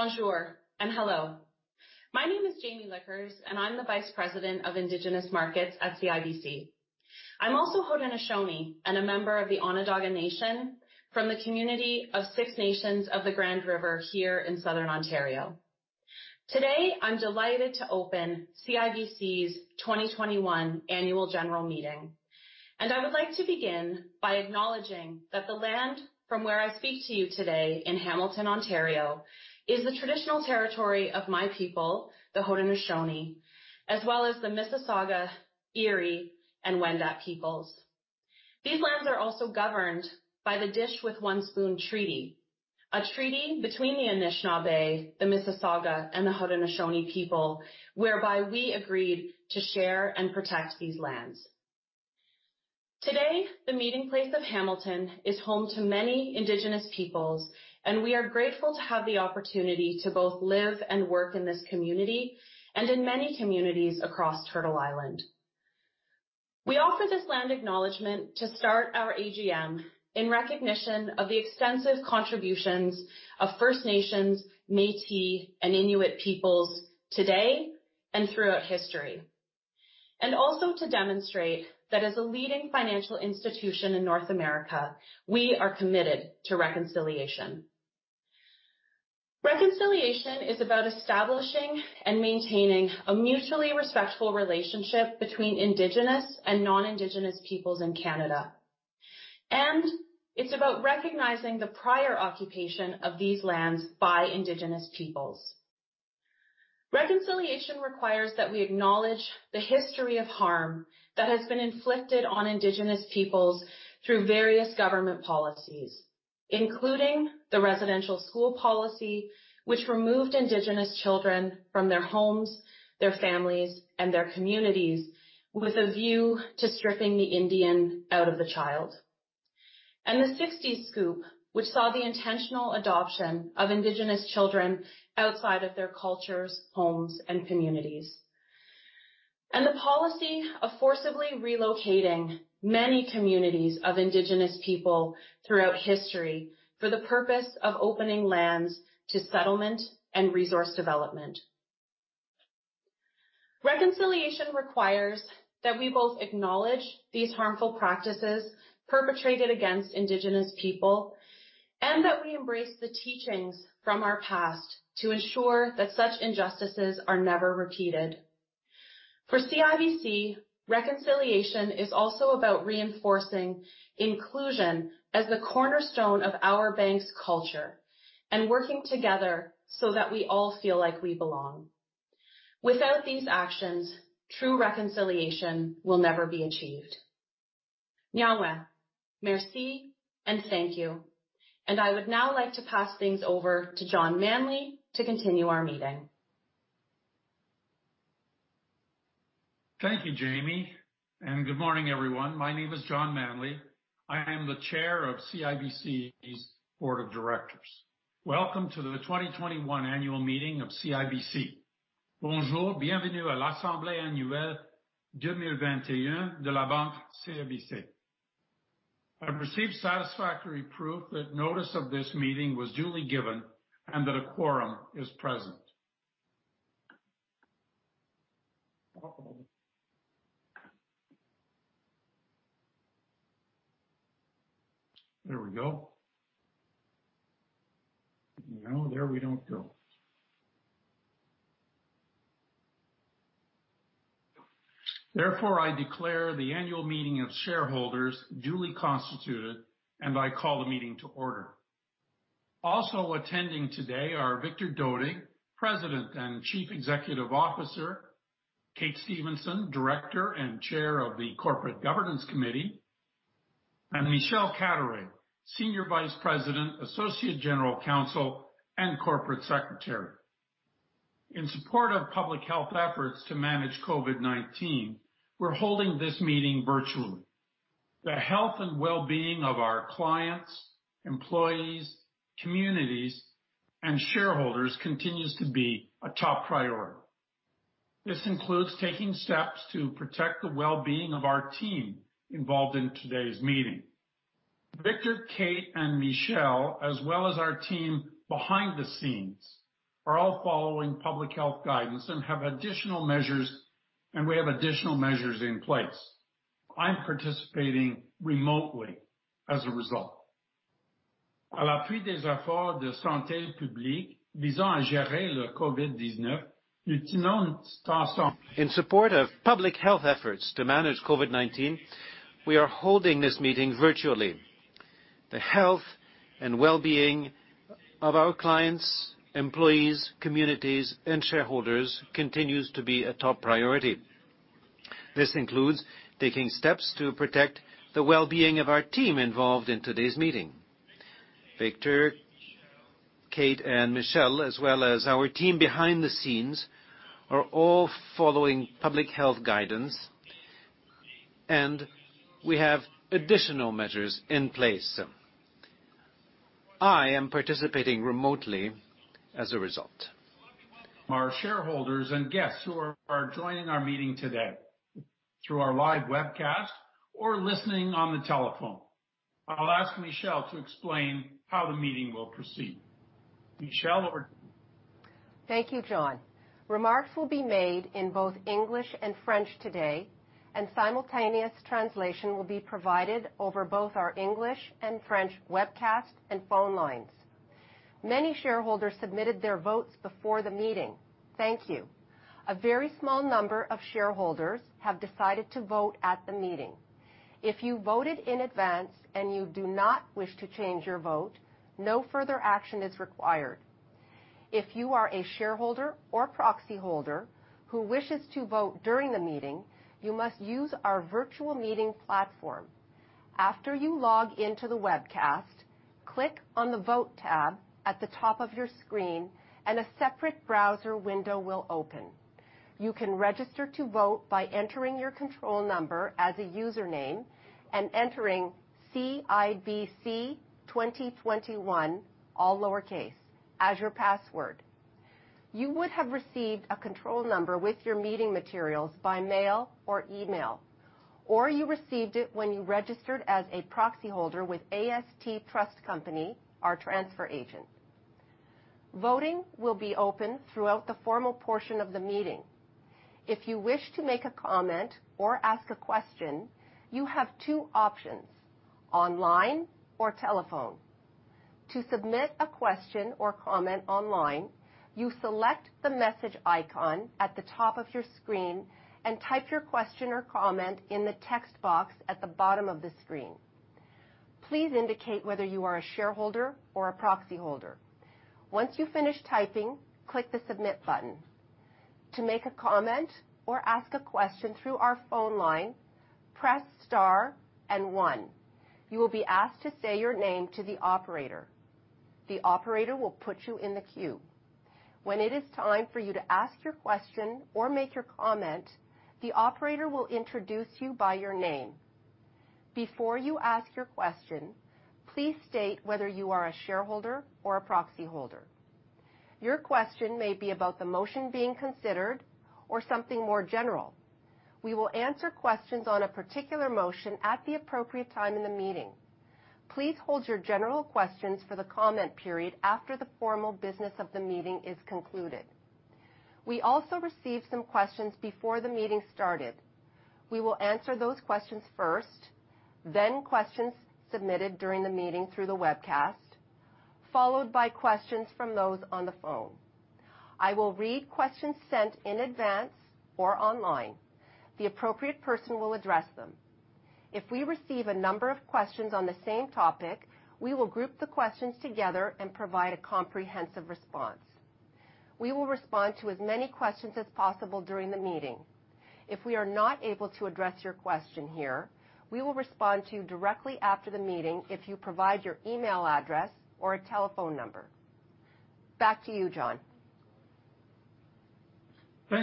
Bonjour and hello. My name is Jaimie Lickers, and I'm the Senior Vice President of Indigenous Markets at CIBC. I'm also Haudenosaunee and a member of the Onondaga Nation from the community of Six Nations of the Grand River here in Southern Ontario. Today, I'm delighted to open CIBC's 2021 Annual General Meeting, and I would like to begin by acknowledging that the land from where I speak to you today in Hamilton, Ontario, is the traditional territory of my people, the Haudenosaunee, as well as the Mississauga, Erie, and Wendat peoples. These lands are also governed by the Dish With One Spoon Treaty, a treaty between the Anishinaabe, the Mississauga, and the Haudenosaunee people, whereby we agreed to share and protect these lands. Today, the meeting place of Hamilton is home to many Indigenous peoples, and we are grateful to have the opportunity to both live and work in this community and in many communities across Turtle Island. We offer this land acknowledgement to start our AGM in recognition of the extensive contributions of First Nations, Métis, and Inuit peoples today and throughout history, and also to demonstrate that as a leading financial institution in North America, we are committed to reconciliation. Reconciliation is about establishing and maintaining a mutually respectful relationship between Indigenous and non-Indigenous peoples in Canada, and it's about recognizing the prior occupation of these lands by Indigenous peoples. Reconciliation requires that we acknowledge the history of harm that has been inflicted on Indigenous peoples through various government policies, including the residential school policy, which removed Indigenous children from their homes, their families, and their communities with a view to stripping the Indian out of the child, and the '60s Scoop, which saw the intentional adoption of Indigenous children outside of their cultures, homes, and communities, and the policy of forcibly relocating many communities of Indigenous people throughout history for the purpose of opening lands to settlement and resource development. Reconciliation requires that we both acknowledge these harmful practices perpetrated against Indigenous people and that we embrace the teachings from our past to ensure that such injustices are never repeated. For CIBC, reconciliation is also about reinforcing inclusion as the cornerstone of our bank's culture and working together so that we all feel like we belong. Without these actions, true reconciliation will never be achieved. Nyawa, merci, and thank you. I would now like to pass things over to John Manley Manley to continue our meeting. Thank you, Jaimie, and good morning, everyone. My name is John Manley Manley. I am the Chair of CIBC's Board of Directors. Welcome to the 2021 Annual Meeting of CIBC. Bonjour, bienvenue à l'Assemblée Annuelle 2021 de la Banque CIBC. I've received satisfactory proof that notice of this meeting was duly given and that a quorum is present. There we go. No, there we don't go. Therefore, I declare the Annual Meeting of Shareholders duly constituted, and I call the meeting to order. Also attending today are Victor G. Dodig G. Dodig Dodig, President and Chief Executive Officer; Kate Stephenson, Director and Chair of the Corporate Governance Committee; and Michelle Caturay, Senior Vice President, Associate General Counsel, and Corporate Secretary. In support of public health efforts to manage COVID-19, we're holding this meeting virtually. The health and well-being of our clients, employees, communities, and shareholders continues to be a top priority. This includes taking steps to protect the well-being of our team involved in today's meeting. Victor G. Dodig G. Dodig, Kate, and Michelle, as well as our team behind the scenes, are all following public health guidance and have additional measures, and we have additional measures in place. I'm participating remotely as a result. À l'appui des efforts de santé publique visant à gérer le COVID-19, nous tenons à. In support of public health efforts to manage COVID-19, we are holding this meeting virtually. The health and well-being of our clients, employees, communities, and shareholders continues to be a top priority. This includes taking steps to protect the well-being of our team involved in today's meeting. Victor G. Dodig G. Dodig, Kate, and Michelle, as well as our team behind the scenes, are all following public health guidance, and we have additional measures in place. I am participating remotely as a result. Our shareholders and guests who are joining our meeting today through our live webcast or listening on the telephone, I'll ask Michelle to explain how the meeting will proceed. Michelle, over to you. Thank you, John Manley. Remarks will be made in both English and French today, and simultaneous translation will be provided over both our English and French webcast and phone lines. Many shareholders submitted their votes before the meeting. Thank you. A very small number of shareholders have decided to vote at the meeting. If you voted in advance and you do not wish to change your vote, no further action is required. If you are a shareholder or proxy holder who wishes to vote during the meeting, you must use our virtual meeting platform. After you log into the webcast, click on the Vote tab at the top of your screen, and a separate browser window will open. You can register to vote by entering your control number as a username and entering cibc2021, all lowercase, as your password. You would have received a control number with your meeting materials by mail or email, or you received it when you registered as a proxy holder with AST Trust Company, our transfer agent. Voting will be open throughout the formal portion of the meeting. If you wish to make a comment or ask a question, you have two options: online or telephone. To submit a question or comment online, you select the message icon at the top of your screen and type your question or comment in the text box at the bottom of the screen. Please indicate whether you are a shareholder or a proxy holder. Once you finish typing, click the Submit button. To make a comment or ask a question through our phone line, press Star and 1. You will be asked to say your name to the operator. The operator will put you in the queue. When it is time for you to ask your question or make your comment, the operator will introduce you by your name. Before you ask your question, please state whether you are a shareholder or a proxy holder. Your question may be about the motion being considered or something more general. We will answer questions on a particular motion at the appropriate time in the meeting. Please hold your general questions for the comment period after the formal business of the meeting is concluded. We also received some questions before the meeting started. We will answer those questions first, then questions submitted during the meeting through the webcast, followed by questions from those on the phone. I will read questions sent in advance or online. The appropriate person will address them. If we receive a number of questions on the same topic, we will group the questions together and provide a comprehensive response. We will respond to as many questions as possible during the meeting. If we are not able to address your question here, we will respond to you directly after the meeting if you provide your email address or a telephone number. Back to you, John Manley.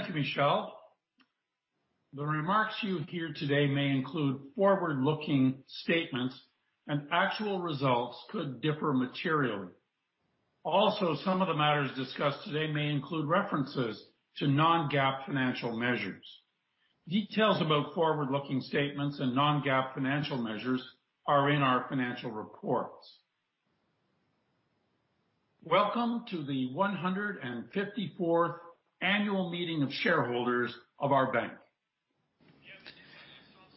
Thank you, Michelle. The remarks you hear today may include forward-looking statements, and actual results could differ materially. Also, some of the matters discussed today may include references to non-GAAP financial measures. Details about forward-looking statements and non-GAAP financial measures are in our financial reports. Welcome to the 154th Annual Meeting of Shareholders of our bank.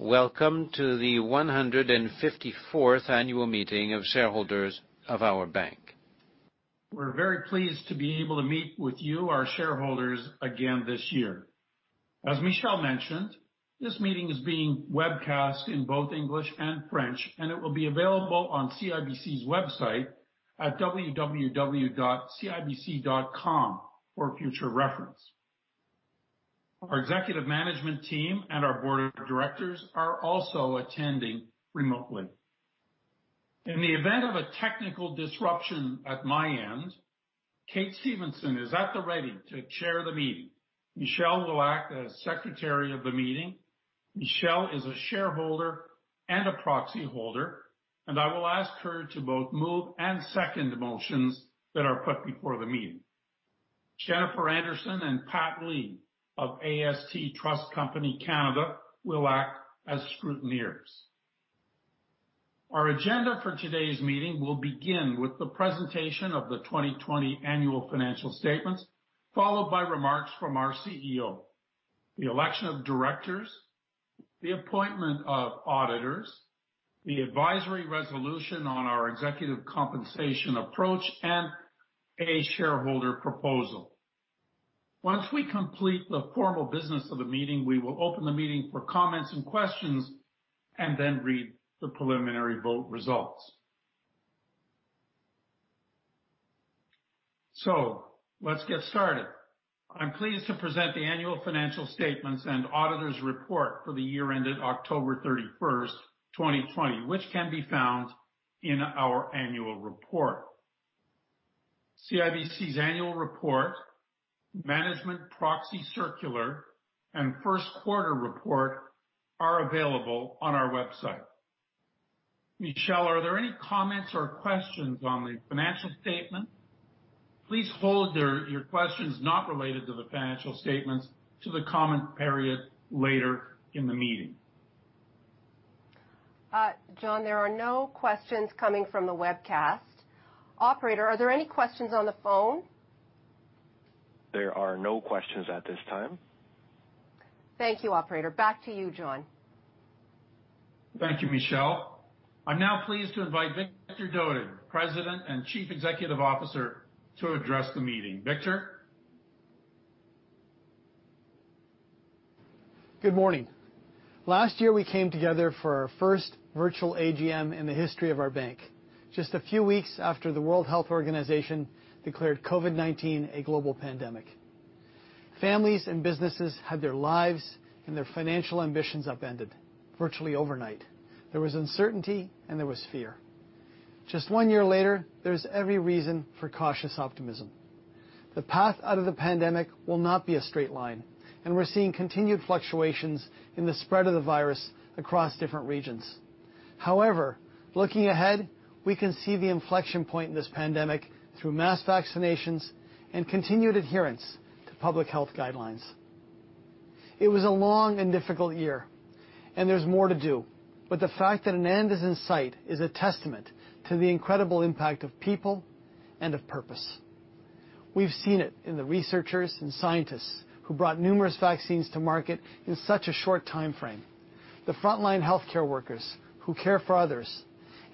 Welcome to the 154th Annual Meeting of Shareholders of our bank. We're very pleased to be able to meet with you, our shareholders, again this year. As Michelle mentioned, this meeting is being webcast in both English and French, and it will be available on CIBC's website at www.cibc.com for future reference. Our executive management team and our board of directors are also attending remotely. In the event of a technical disruption at my end, Kate Stephenson is at the ready to chair the meeting. Michelle will act as Secretary of the Meeting. Michelle is a shareholder and a proxy holder, and I will ask her to both move and second the motions that are put before the meeting. Jennifer Anderson and Pat Lee of AST Trust Company will act as scrutineers. Our agenda for today's meeting will begin with the presentation of the 2020 Annual Financial Statements, followed by remarks from our CEO, the election of directors, the appointment of auditors, the advisory resolution on our executive compensation approach, and a shareholder proposal. Once we complete the formal business of the meeting, we will open the meeting for comments and questions and then read the preliminary vote results. Let's get started. I'm pleased to present the Annual Financial Statements and Auditor's Report for the year ended October 31, 2020, which can be found in our annual report. CIBC's Annual Report, Management Proxy Circular, and First Quarter Report are available on our website. Michelle, are there any comments or questions on the financial statement? Please hold your questions not related to the financial statements to the comment period later in the meeting. John Manley, there are no questions coming from the webcast. Operator, are there any questions on the phone? There are no questions at this time. Thank you, Operator. Back to you, John Manley. Thank you, Michelle. I'm now pleased to invite Victor G. Dodig G. Dodig Dodig, President and Chief Executive Officer, to address the meeting. Victor G. Dodig G. Dodig? Good morning. Last year, we came together for our first virtual AGM in the history of our bank, just a few weeks after the World Health Organization declared COVID-19 a global pandemic. Families and businesses had their lives and their financial ambitions upended virtually overnight. There was uncertainty, and there was fear. Just one year later, there's every reason for cautious optimism. The path out of the pandemic will not be a straight line, and we're seeing continued fluctuations in the spread of the virus across different regions. However, looking ahead, we can see the inflection point in this pandemic through mass vaccinations and continued adherence to public health guidelines. It was a long and difficult year, and there's more to do, but the fact that an end is in sight is a testament to the incredible impact of people and of purpose. We've seen it in the researchers and scientists who brought numerous vaccines to market in such a short time frame, the frontline healthcare workers who care for others,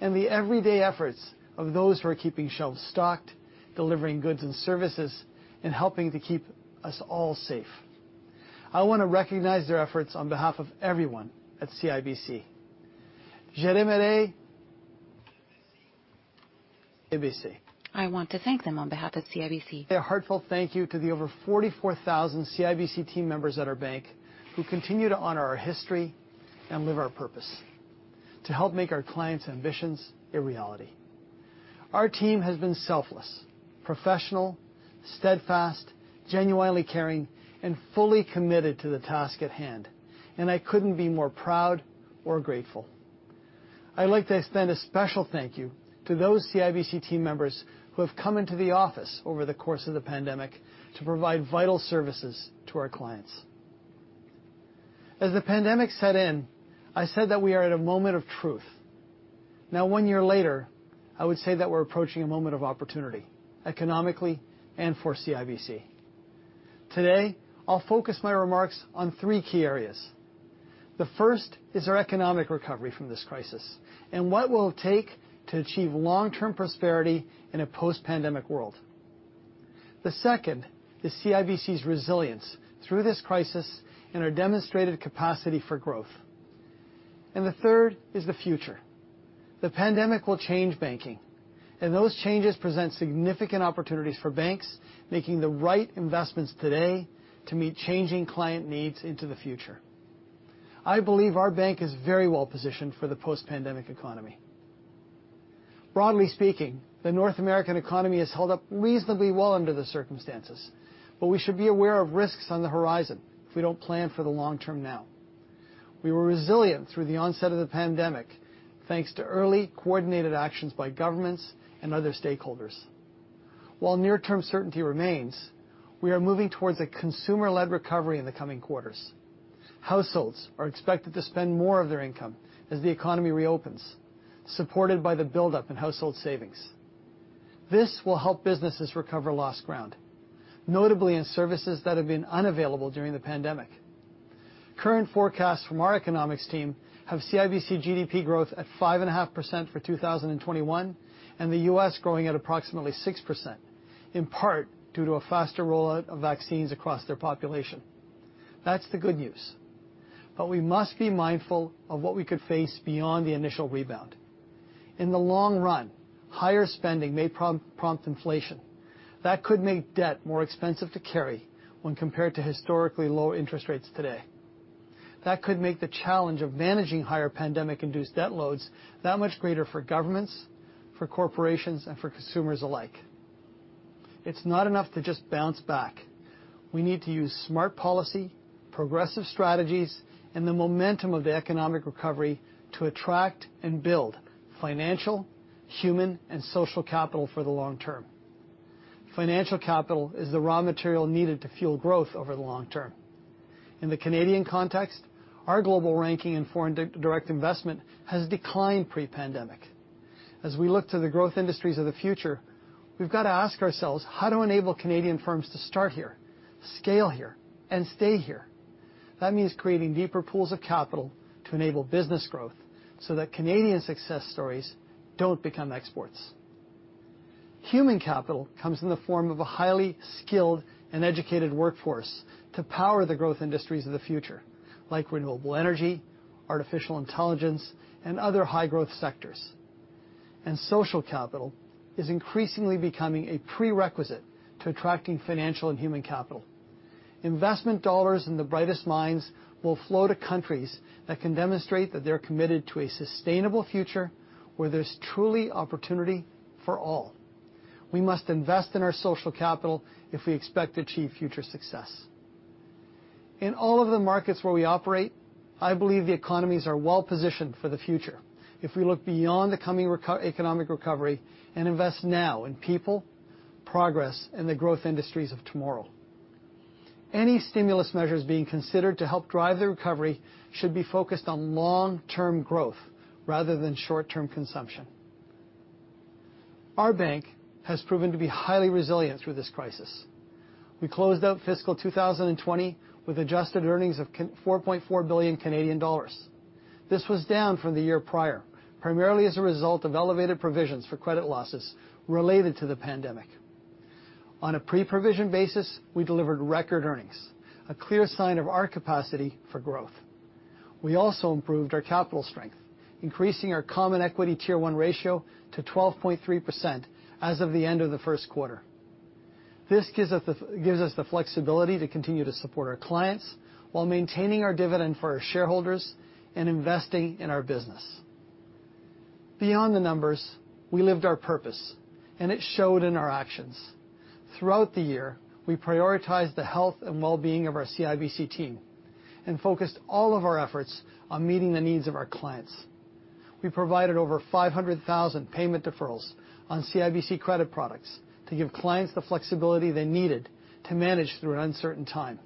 and the everyday efforts of those who are keeping shelves stocked, delivering goods and services, and helping to keep us all safe. I want to recognize their efforts on behalf of everyone at CIBC. I want to thank them on behalf of CIBC. A heartfelt thank you to the over 44,000 CIBC team members at our bank who continue to honor our history and live our purpose to help make our clients' ambitions a reality. Our team has been selfless, professional, steadfast, genuinely caring, and fully committed to the task at hand, and I couldn't be more proud or grateful. I'd like to extend a special thank you to those CIBC team members who have come into the office over the course of the pandemic to provide vital services to our clients. As the pandemic set in, I said that we are at a moment of truth. Now, one year later, I would say that we're approaching a moment of opportunity, economically and for CIBC. Today, I'll focus my remarks on three key areas. The first is our economic recovery from this crisis and what it will take to achieve long-term prosperity in a post-pandemic world. The second is CIBC's resilience through this crisis and our demonstrated capacity for growth. The third is the future. The pandemic will change banking, and those changes present significant opportunities for banks making the right investments today to meet changing client needs into the future. I believe our bank is very well positioned for the post-pandemic economy. Broadly speaking, the North American economy has held up reasonably well under the circumstances, but we should be aware of risks on the horizon if we do not plan for the long term now. We were resilient through the onset of the pandemic thanks to early, coordinated actions by governments and other stakeholders. While near-term certainty remains, we are moving towards a consumer-led recovery in the coming quarters. Households are expected to spend more of their income as the economy reopens, supported by the buildup in household savings. This will help businesses recover lost ground, notably in services that have been unavailable during the pandemic. Current forecasts from our economics team have CIBC GDP growth at 5.5% for 2021 and the U.S. growing at approximately 6%, in part due to a faster rollout of vaccines across their population. That's the good news, but we must be mindful of what we could face beyond the initial rebound. In the long run, higher spending may prompt inflation. That could make debt more expensive to carry when compared to historically low interest rates today. That could make the challenge of managing higher pandemic-induced debt loads that much greater for governments, for corporations, and for consumers alike. It's not enough to just bounce back. We need to use smart policy, progressive strategies, and the momentum of the economic recovery to attract and build financial, human, and social capital for the long term. Financial capital is the raw material needed to fuel growth over the long term. In the Canadian context, our global ranking in foreign direct investment has declined pre-pandemic. As we look to the growth industries of the future, we've got to ask ourselves how to enable Canadian firms to start here, scale here, and stay here. That means creating deeper pools of capital to enable business growth so that Canadian success stories do not become exports. Human capital comes in the form of a highly skilled and educated workforce to power the growth industries of the future, like renewable energy, artificial intelligence, and other high-growth sectors. Social capital is increasingly becoming a prerequisite to attracting financial and human capital. Investment dollars and the brightest minds will flow to countries that can demonstrate that they're committed to a sustainable future where there's truly opportunity for all. We must invest in our social capital if we expect to achieve future success. In all of the markets where we operate, I believe the economies are well positioned for the future if we look beyond the coming economic recovery and invest now in people, progress, and the growth industries of tomorrow. Any stimulus measures being considered to help drive the recovery should be focused on long-term growth rather than short-term consumption. Our bank has proven to be highly resilient through this crisis. We closed out fiscal 2020 with adjusted earnings of 4.4 billion Canadian dollars. This was down from the year prior, primarily as a result of elevated provisions for credit losses related to the pandemic. On a pre-provision basis, we delivered record earnings, a clear sign of our capacity for growth. We also improved our capital strength, increasing our common equity tier one ratio to 12.3% as of the end of the first quarter. This gives us the flexibility to continue to support our clients while maintaining our dividend for our shareholders and investing in our business. Beyond the numbers, we lived our purpose, and it showed in our actions. Throughout the year, we prioritized the health and well-being of our CIBC team and focused all of our efforts on meeting the needs of our clients. We provided over 500,000 payment deferrals on CIBC credit products to give clients the flexibility they needed to manage through an uncertain time.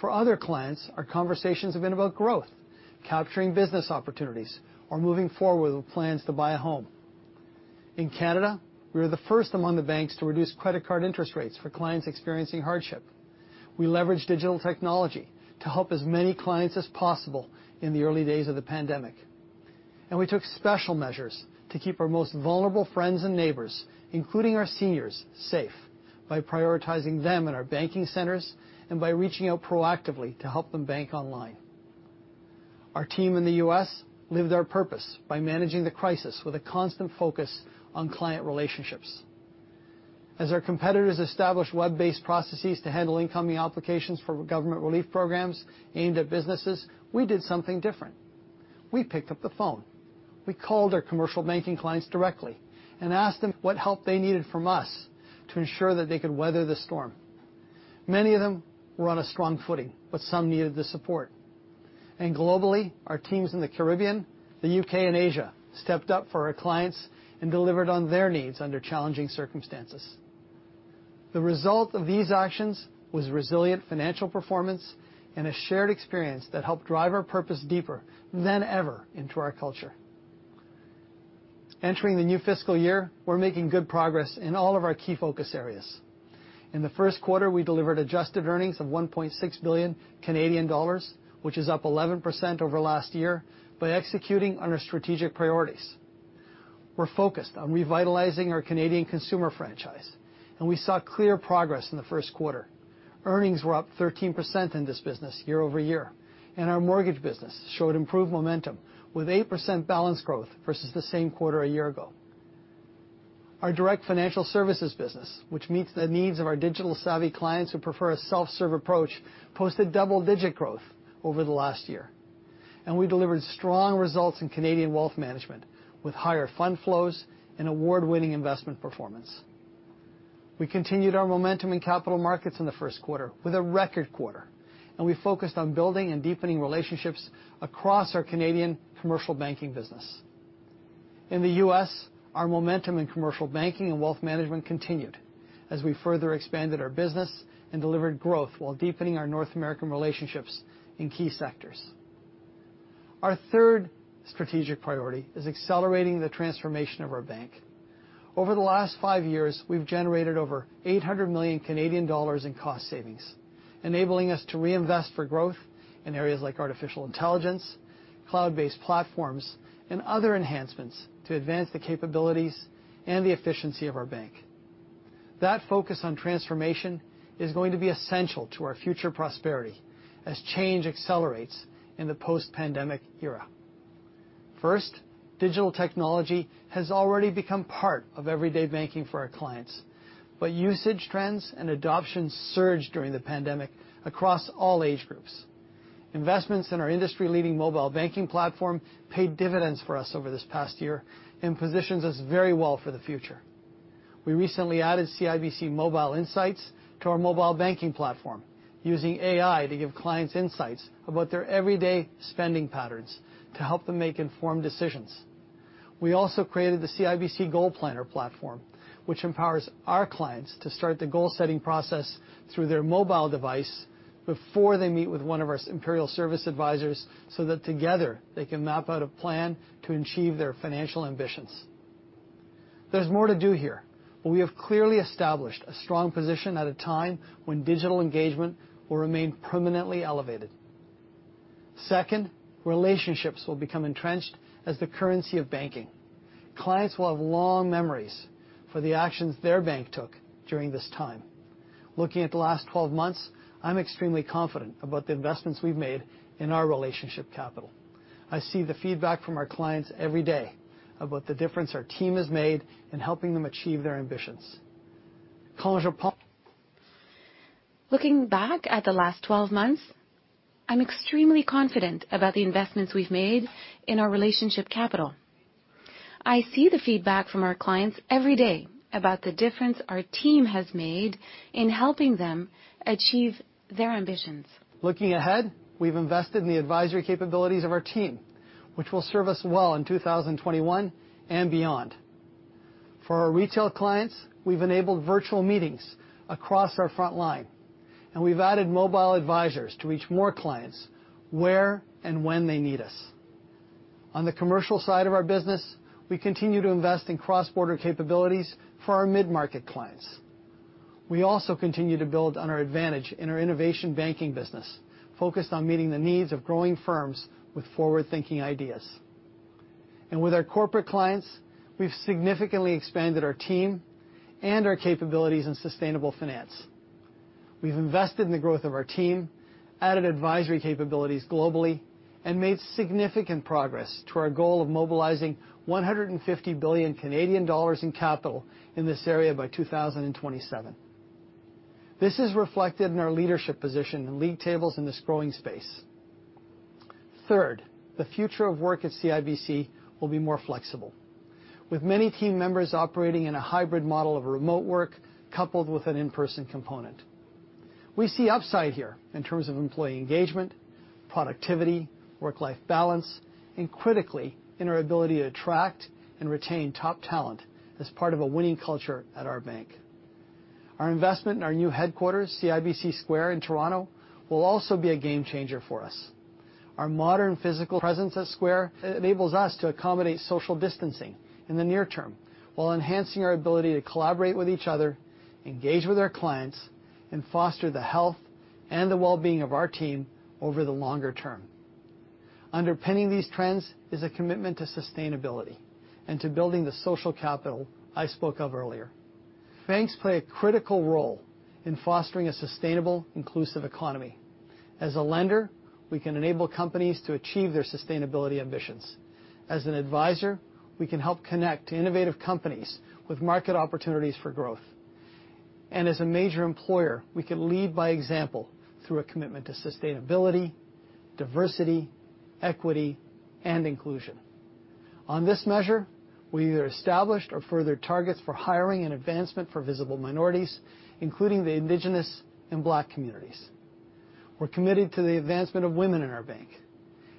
For other clients, our conversations have been about growth, capturing business opportunities, or moving forward with plans to buy a home. In Canada, we were the first among the banks to reduce credit card interest rates for clients experiencing hardship. We leveraged digital technology to help as many clients as possible in the early days of the pandemic. We took special measures to keep our most vulnerable friends and neighbors, including our seniors, safe by prioritizing them in our banking centers and by reaching out proactively to help them bank online. Our team in the U.S. lived our purpose by managing the crisis with a constant focus on client relationships. As our competitors established web-based processes to handle incoming applications for government relief programs aimed at businesses, we did something different. We picked up the phone. We called our Commercial Banking clients directly and asked them what help they needed from us to ensure that they could weather the storm. Many of them were on a strong footing, but some needed the support. Globally, our teams in the Caribbean, the U.K., and Asia stepped up for our clients and delivered on their needs under challenging circumstances. The result of these actions was resilient financial performance and a shared experience that helped drive our purpose deeper than ever into our culture. Entering the new fiscal year, we're making good progress in all of our key focus areas. In the first quarter, we delivered adjusted earnings of 1.6 billion Canadian dollars, which is up 11% over last year, by executing on our strategic priorities. We're focused on revitalizing our Canadian consumer franchise, and we saw clear progress in the first quarter. Earnings were up 13% in this business year over year, and our mortgage business showed improved momentum with 8% balance growth versus the same quarter a year ago. Our direct financial services business, which meets the needs of our digital-savvy clients who prefer a self-serve approach, posted double-digit growth over the last year. We delivered strong results in Canadian wealth management with higher fund flows and award-winning investment performance. We continued our momentum in capital markets in the first quarter with a record quarter, and we focused on building and deepening relationships across our Canadian commercial banking business. In the U.S., our momentum in commercial banking and wealth management continued as we further expanded our business and delivered growth while deepening our North American relationships in key sectors. Our third strategic priority is accelerating the transformation of our bank. Over the last five years, we've generated over 800 million Canadian dollars in cost savings, enabling us to reinvest for growth in areas like artificial intelligence, cloud-based platforms, and other enhancements to advance the capabilities and the efficiency of our bank. That focus on transformation is going to be essential to our future prosperity as change accelerates in the post-pandemic era. First, digital technology has already become part of everyday banking for our clients, but usage trends and adoption surged during the pandemic across all age groups. Investments in our industry-leading mobile banking platform paid dividends for us over this past year and positions us very well for the future. We recently added CIBC Mobile Insights to our mobile banking platform, using AI to give clients insights about their everyday spending patterns to help them make informed decisions. We also created the CIBC Goal Planner platform, which empowers our clients to start the goal-setting process through their mobile device before they meet with one of our Imperial Service Advisors so that together they can map out a plan to achieve their financial ambitions. There is more to do here, but we have clearly established a strong position at a time when digital engagement will remain permanently elevated. Second, relationships will become entrenched as the currency of banking. Clients will have long memories for the actions their bank took during this time. Looking at the last 12 months, I am extremely confident about the investments we have made in our relationship capital. I see the feedback from our clients every day about the difference our team has made in helping them achieve their ambitions. Looking back at the last 12 months, I'm extremely confident about the investments we've made in our relationship capital. I see the feedback from our clients every day about the difference our team has made in helping them achieve their ambitions. Looking ahead, we've invested in the advisory capabilities of our team, which will serve us well in 2021 and beyond. For our retail clients, we've enabled virtual meetings across our front line, and we've added mobile advisors to reach more clients where and when they need us. On the commercial side of our business, we continue to invest in cross-border capabilities for our mid-market clients. We also continue to build on our advantage in our innovation banking business, focused on meeting the needs of growing firms with forward-thinking ideas. With our corporate clients, we've significantly expanded our team and our capabilities in sustainable finance. We've invested in the growth of our team, added advisory capabilities globally, and made significant progress to our goal of mobilizing 150 billion Canadian dollars in capital in this area by 2027. This is reflected in our leadership position and league tables in this growing space. Third, the future of work at CIBC will be more flexible, with many team members operating in a hybrid model of remote work coupled with an in-person component. We see upside here in terms of employee engagement, productivity, work-life balance, and critically, in our ability to attract and retain top talent as part of a winning culture at our bank. Our investment in our new headquarters, CIBC Square in Toronto, will also be a game changer for us. Our modern physical presence at Square enables us to accommodate social distancing in the near term while enhancing our ability to collaborate with each other, engage with our clients, and foster the health and the well-being of our team over the longer term. Underpinning these trends is a commitment to sustainability and to building the social capital I spoke of earlier. Banks play a critical role in fostering a sustainable, inclusive economy. As a lender, we can enable companies to achieve their sustainability ambitions. As an advisor, we can help connect innovative companies with market opportunities for growth. As a major employer, we can lead by example through a commitment to sustainability, diversity, equity, and inclusion. On this measure, we either established or furthered targets for hiring and advancement for visible minorities, including the Indigenous and Black communities. We're committed to the advancement of women in our bank,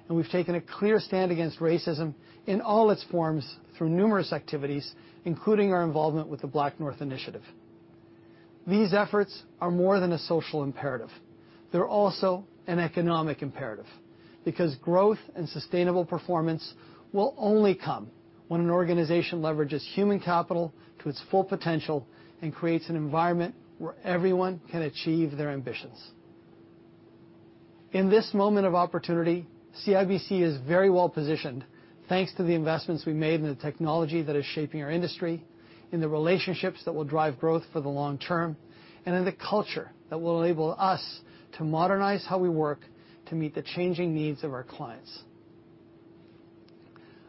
and we've taken a clear stand against racism in all its forms through numerous activities, including our involvement with the Black North Initiative. These efforts are more than a social imperative. They're also an economic imperative because growth and sustainable performance will only come when an organization leverages human capital to its full potential and creates an environment where everyone can achieve their ambitions. In this moment of opportunity, CIBC is very well positioned thanks to the investments we made in the technology that is shaping our industry, in the relationships that will drive growth for the long term, and in the culture that will enable us to modernize how we work to meet the changing needs of our clients.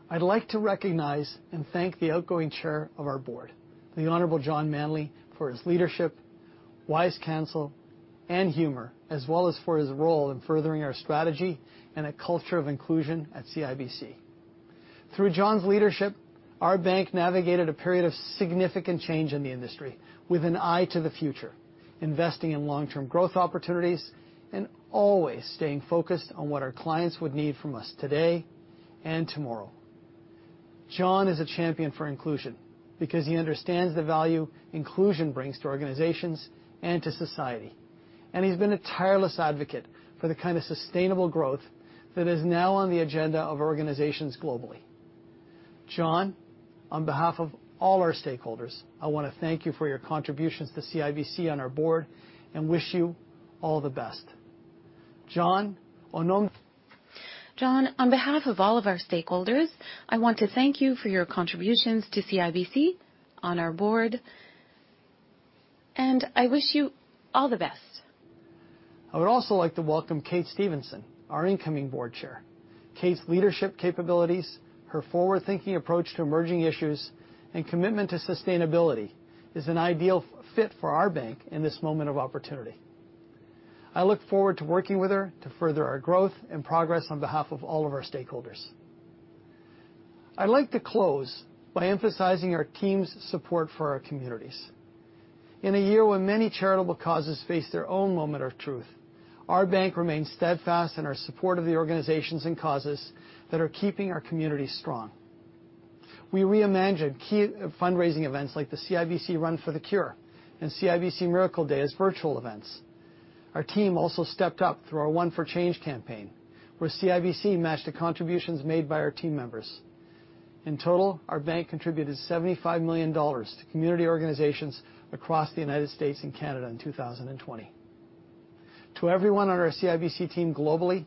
I'd like to recognize and thank the outgoing Chair of our Board, the Honorable John Manley Manley, for his leadership, wise counsel, and humor, as well as for his role in furthering our strategy and a culture of inclusion at CIBC. Through John Manley's leadership, our bank navigated a period of significant change in the industry with an eye to the future, investing in long-term growth opportunities and always staying focused on what our clients would need from us today and tomorrow. John Manley is a champion for inclusion because he understands the value inclusion brings to organizations and to society, and he's been a tireless advocate for the kind of sustainable growth that is now on the agenda of organizations globally. John Manley, on behalf of all our stakeholders, I want to thank you for your contributions to CIBC on our Board and wish you all the best. John Manley, on behalf of all of our stakeholders, I want to thank you for your contributions to CIBC on our board, and I wish you all the best. I would also like to welcome Kate Stephenson, our incoming Board Chair. Kate's leadership capabilities, her forward-thinking approach to emerging issues, and commitment to sustainability is an ideal fit for our bank in this moment of opportunity. I look forward to working with her to further our growth and progress on behalf of all of our stakeholders. I'd like to close by emphasizing our team's support for our communities. In a year when many charitable causes face their own moment of truth, our bank remains steadfast in our support of the organizations and causes that are keeping our communities strong. We reimagined key fundraising events like the CIBC Run for the Cure and CIBC Miracle Day as virtual events. Our team also stepped up through our One for Change campaign, where CIBC matched the contributions made by our team members. In total, our bank contributed 75 million dollars to community organizations across the U.S. and Canada in 2020. To everyone on our CIBC team globally,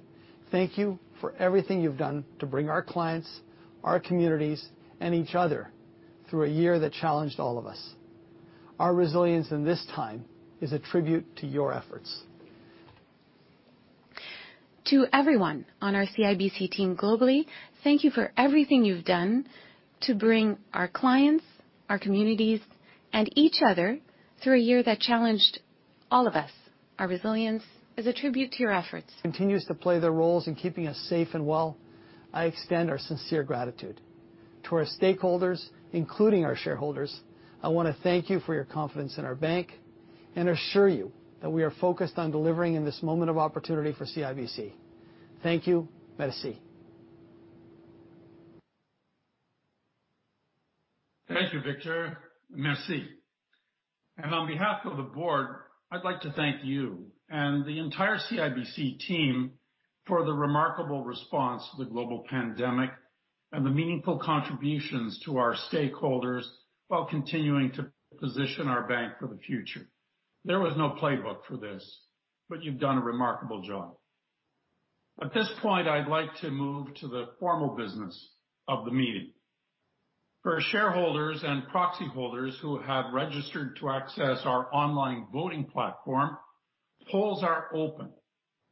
thank you for everything you've done to bring our clients, our communities, and each other through a year that challenged all of us. Our resilience in this time is a tribute to your efforts. To everyone on our CIBC team globally, thank you for everything you've done to bring our clients, our communities, and each other through a year that challenged all of us. Our resilience is a tribute to your efforts. Continues to play their roles in keeping us safe and well, I extend our sincere gratitude. To our stakeholders, including our shareholders, I want to thank you for your confidence in our bank and assure you that we are focused on delivering in this moment of opportunity for CIBC. Thank you, merci. Thank you, Victor G. Dodig G. Dodig, merci. On behalf of the board, I'd like to thank you and the entire CIBC team for the remarkable response to the global pandemic and the meaningful contributions to our stakeholders while continuing to position our bank for the future. There was no playbook for this, but you've done a remarkable job. At this point, I'd like to move to the formal business of the meeting. For shareholders and proxy holders who have registered to access our online voting platform, polls are open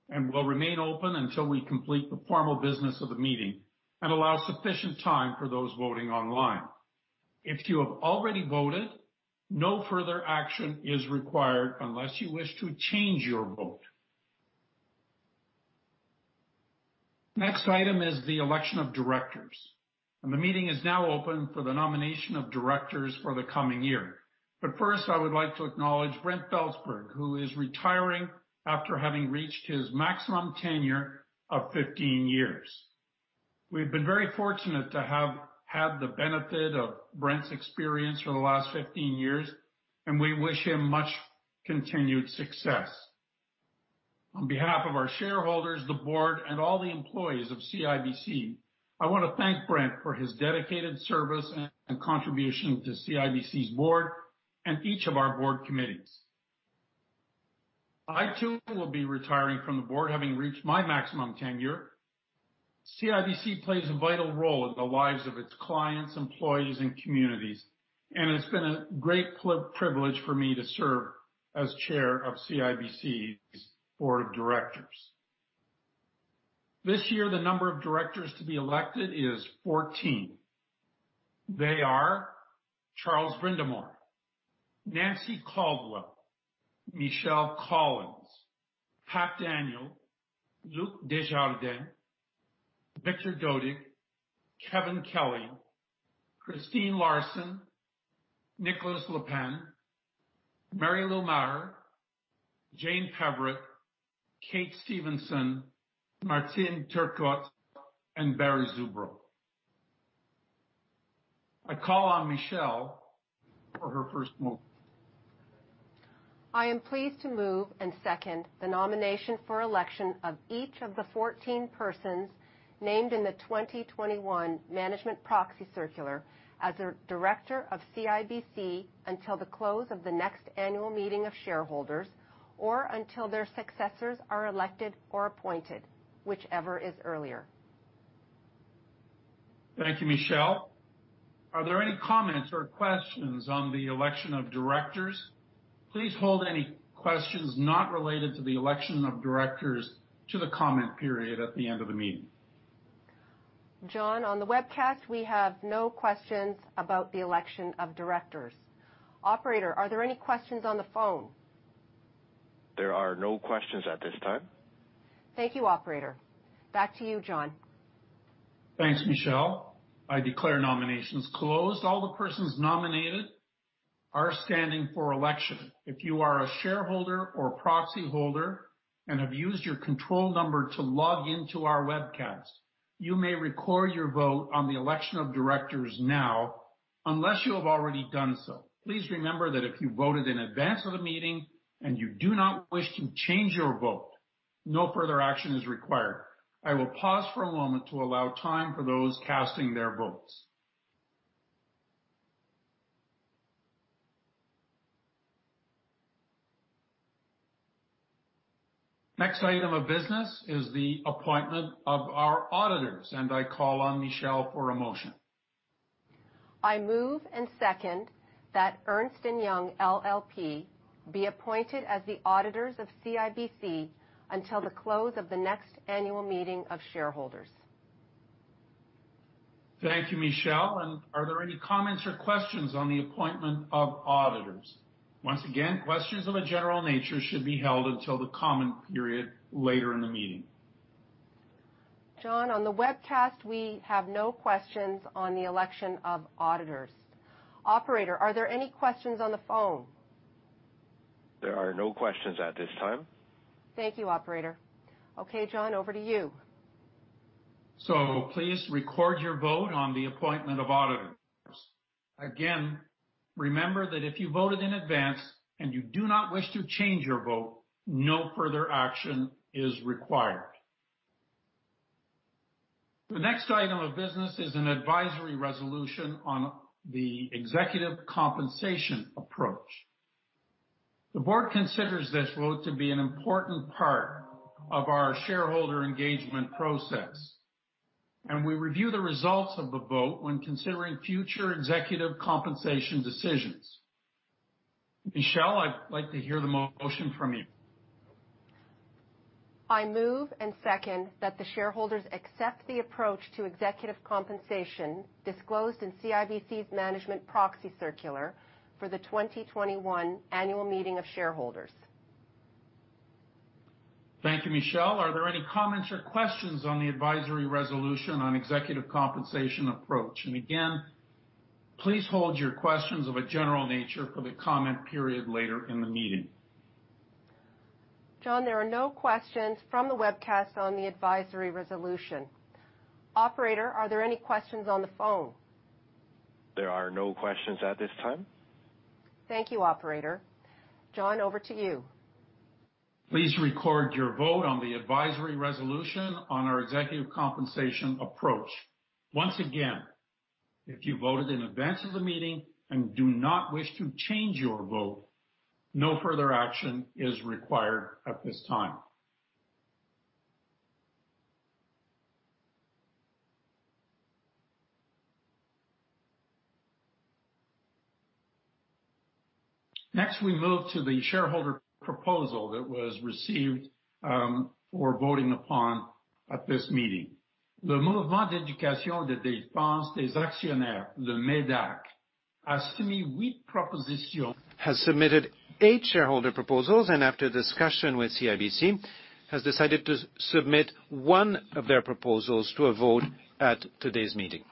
and will remain open until we complete the formal business of the meeting and allow sufficient time for those voting online. If you have already voted, no further action is required unless you wish to change your vote. The next item is the election of directors, and the meeting is now open for the nomination of directors for the coming year. First, I would like to acknowledge Brent Belzberg, who is retiring after having reached his maximum tenure of 15 years. We have been very fortunate to have had the benefit of Brent's experience for the last 15 years, and we wish him much continued success. On behalf of our shareholders, the board, and all the employees of CIBC, I want to thank Brent for his dedicated service and contribution to CIBC's board and each of our board committees. I, too, will be retiring from the board having reached my maximum tenure. CIBC plays a vital role in the lives of its clients, employees, and communities, and it's been a great privilege for me to serve as Chair of CIBC's Board of Directors. This year, the number of directors to be elected is 14. They are Charles Brindamour, Nancy Caldwell, Michelle Collins, Pat Daniel, Luc Desjardins, Victor G. Dodig G. Dodig Dodig, Kevin Kelly, Christine Larsen, Nicholas Le Pan, Mary Lou Maher, Jane Peverett, Kate Stephenson, Martine Turcotte, and Barry Zubrow. I call on Michelle for her first move. I am pleased to move and second the nomination for election of each of the 14 persons named in the 2021 Management Proxy Circular as a director of CIBC until the close of the next annual meeting of shareholders or until their successors are elected or appointed, whichever is earlier. Thank you, Michelle. Are there any comments or questions on the election of directors? Please hold any questions not related to the election of directors to the comment period at the end of the meeting. John Manley, on the webcast, we have no questions about the election of directors. Operator, are there any questions on the phone? There are no questions at this time. Thank you, Operator. Back to you, John Manley. Thanks, Michelle. I declare nominations closed. All the persons nominated are standing for election. If you are a shareholder or proxy holder and have used your control number to log into our webcast, you may record your vote on the election of directors now unless you have already done so. Please remember that if you voted in advance of the meeting and you do not wish to change your vote, no further action is required. I will pause for a moment to allow time for those casting their votes. Next item of business is the appointment of our auditors, and I call on Michelle for a motion. I move and second that Ernst & Young LLP be appointed as the auditors of CIBC until the close of the next annual meeting of shareholders. Thank you, Michelle. Are there any comments or questions on the appointment of auditors? Once again, questions of a general nature should be held until the comment period later in the meeting. John Manley, on the webcast, we have no questions on the election of auditors. Operator, are there any questions on the phone? There are no questions at this time. Thank you, Operator. Okay, John Manley, over to you. Please record your vote on the appointment of auditors. Again, remember that if you voted in advance and you do not wish to change your vote, no further action is required. The next item of business is an advisory resolution on the executive compensation approach. The board considers this vote to be an important part of our shareholder engagement process, and we review the results of the vote when considering future executive compensation decisions. Michelle, I'd like to hear the motion from you. I move and second that the shareholders accept the approach to executive compensation disclosed in CIBC's Management Proxy Circular for the 2021 Annual Meeting of Shareholders. Thank you, Michelle. Are there any comments or questions on the advisory resolution on executive compensation approach? Please hold your questions of a general nature for the comment period later in the meeting. John Manley, there are no questions from the webcast on the advisory resolution. Operator, are there any questions on the phone? There are no questions at this time. Thank you, Operator. John Manley, over to you. Please record your vote on the advisory resolution on our executive compensation approach. Once again, if you voted in advance of the meeting and do not wish to change your vote, no further action is required at this time. Next, we move to the shareholder proposal that was received for voting upon at this meeting. Le mouvement d'éducation et de défense des actionnaires de MEDAC a soumis huit propositions. Has submitted eight shareholder proposals and after discussion with CIBC has decided to submit one of their proposals to a vote at today's meeting.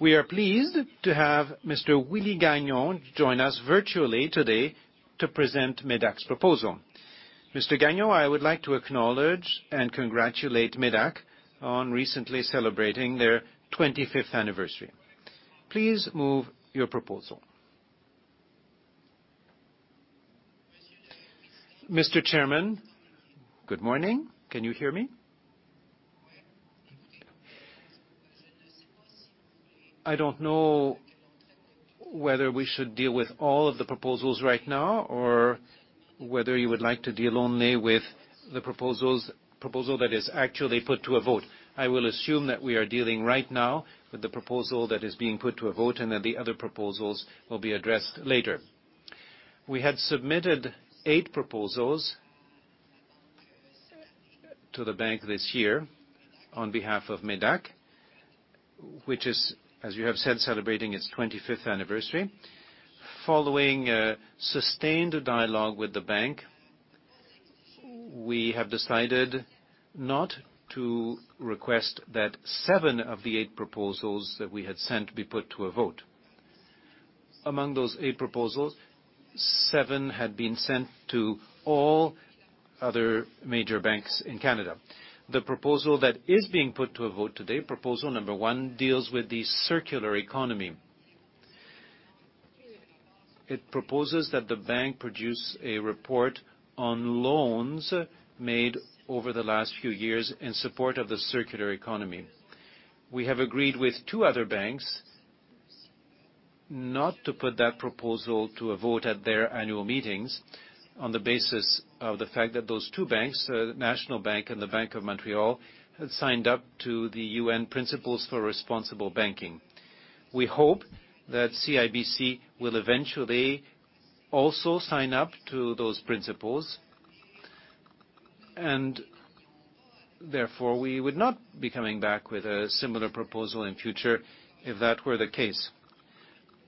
We are pleased to have Mr. Willie Gagnon join us virtually today to present MEDAC's proposal. Mr. Gagnon, I would like to acknowledge and congratulate MEDAC on recently celebrating their 25th anniversary. Please move your proposal. Mr. Chairman, good morning. Can you hear me? I don't know whether we should deal with all of the proposals right now or whether you would like to deal only with the proposal that is actually put to a vote. I will assume that we are dealing right now with the proposal that is being put to a vote and that the other proposals will be addressed later. We had submitted eight proposals to the bank this year on behalf of MEDAC, which is, as you have said, celebrating its 25th anniversary. Following a sustained dialogue with the bank, we have decided not to request that seven of the eight proposals that we had sent be put to a vote. Among those eight proposals, seven had been sent to all other major banks in Canada. The proposal that is being put to a vote today, proposal number one, deals with the circular economy. It proposes that the bank produce a report on loans made over the last few years in support of the circular economy. We have agreed with two other banks not to put that proposal to a vote at their annual meetings on the basis of the fact that those two banks, National Bank and the Bank of Montreal, had signed up to the UN Principles for Responsible Banking. We hope that CIBC will eventually also sign up to those principles and therefore we would not be coming back with a similar proposal in future if that were the case.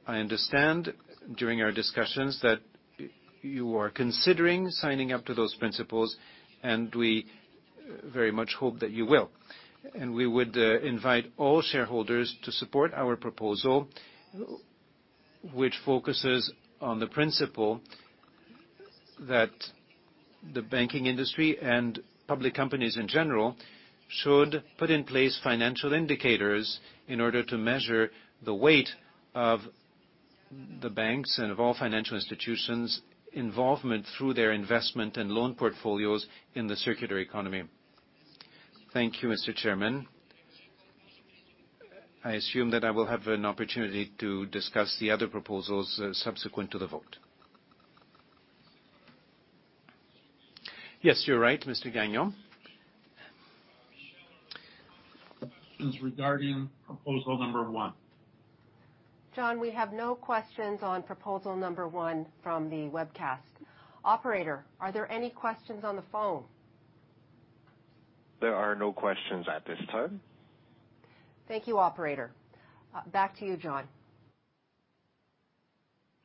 I understand during our discussions that you are considering signing up to those principles and we very much hope that you will. We would invite all shareholders to support our proposal, which focuses on the principle that the banking industry and public companies in general should put in place financial indicators in order to measure the weight of the banks and of all financial institutions' involvement through their investment and loan portfolios in the circular economy. Thank you, Mr. Chairman. I assume that I will have an opportunity to discuss the other proposals subsequent to the vote. Yes, you're right, Mr. Gagnon. It's regarding proposal number one. John Manley, we have no questions on proposal number one from the webcast. Operator, are there any questions on the phone? There are no questions at this time. Thank you, Operator. Back to you, John Manley.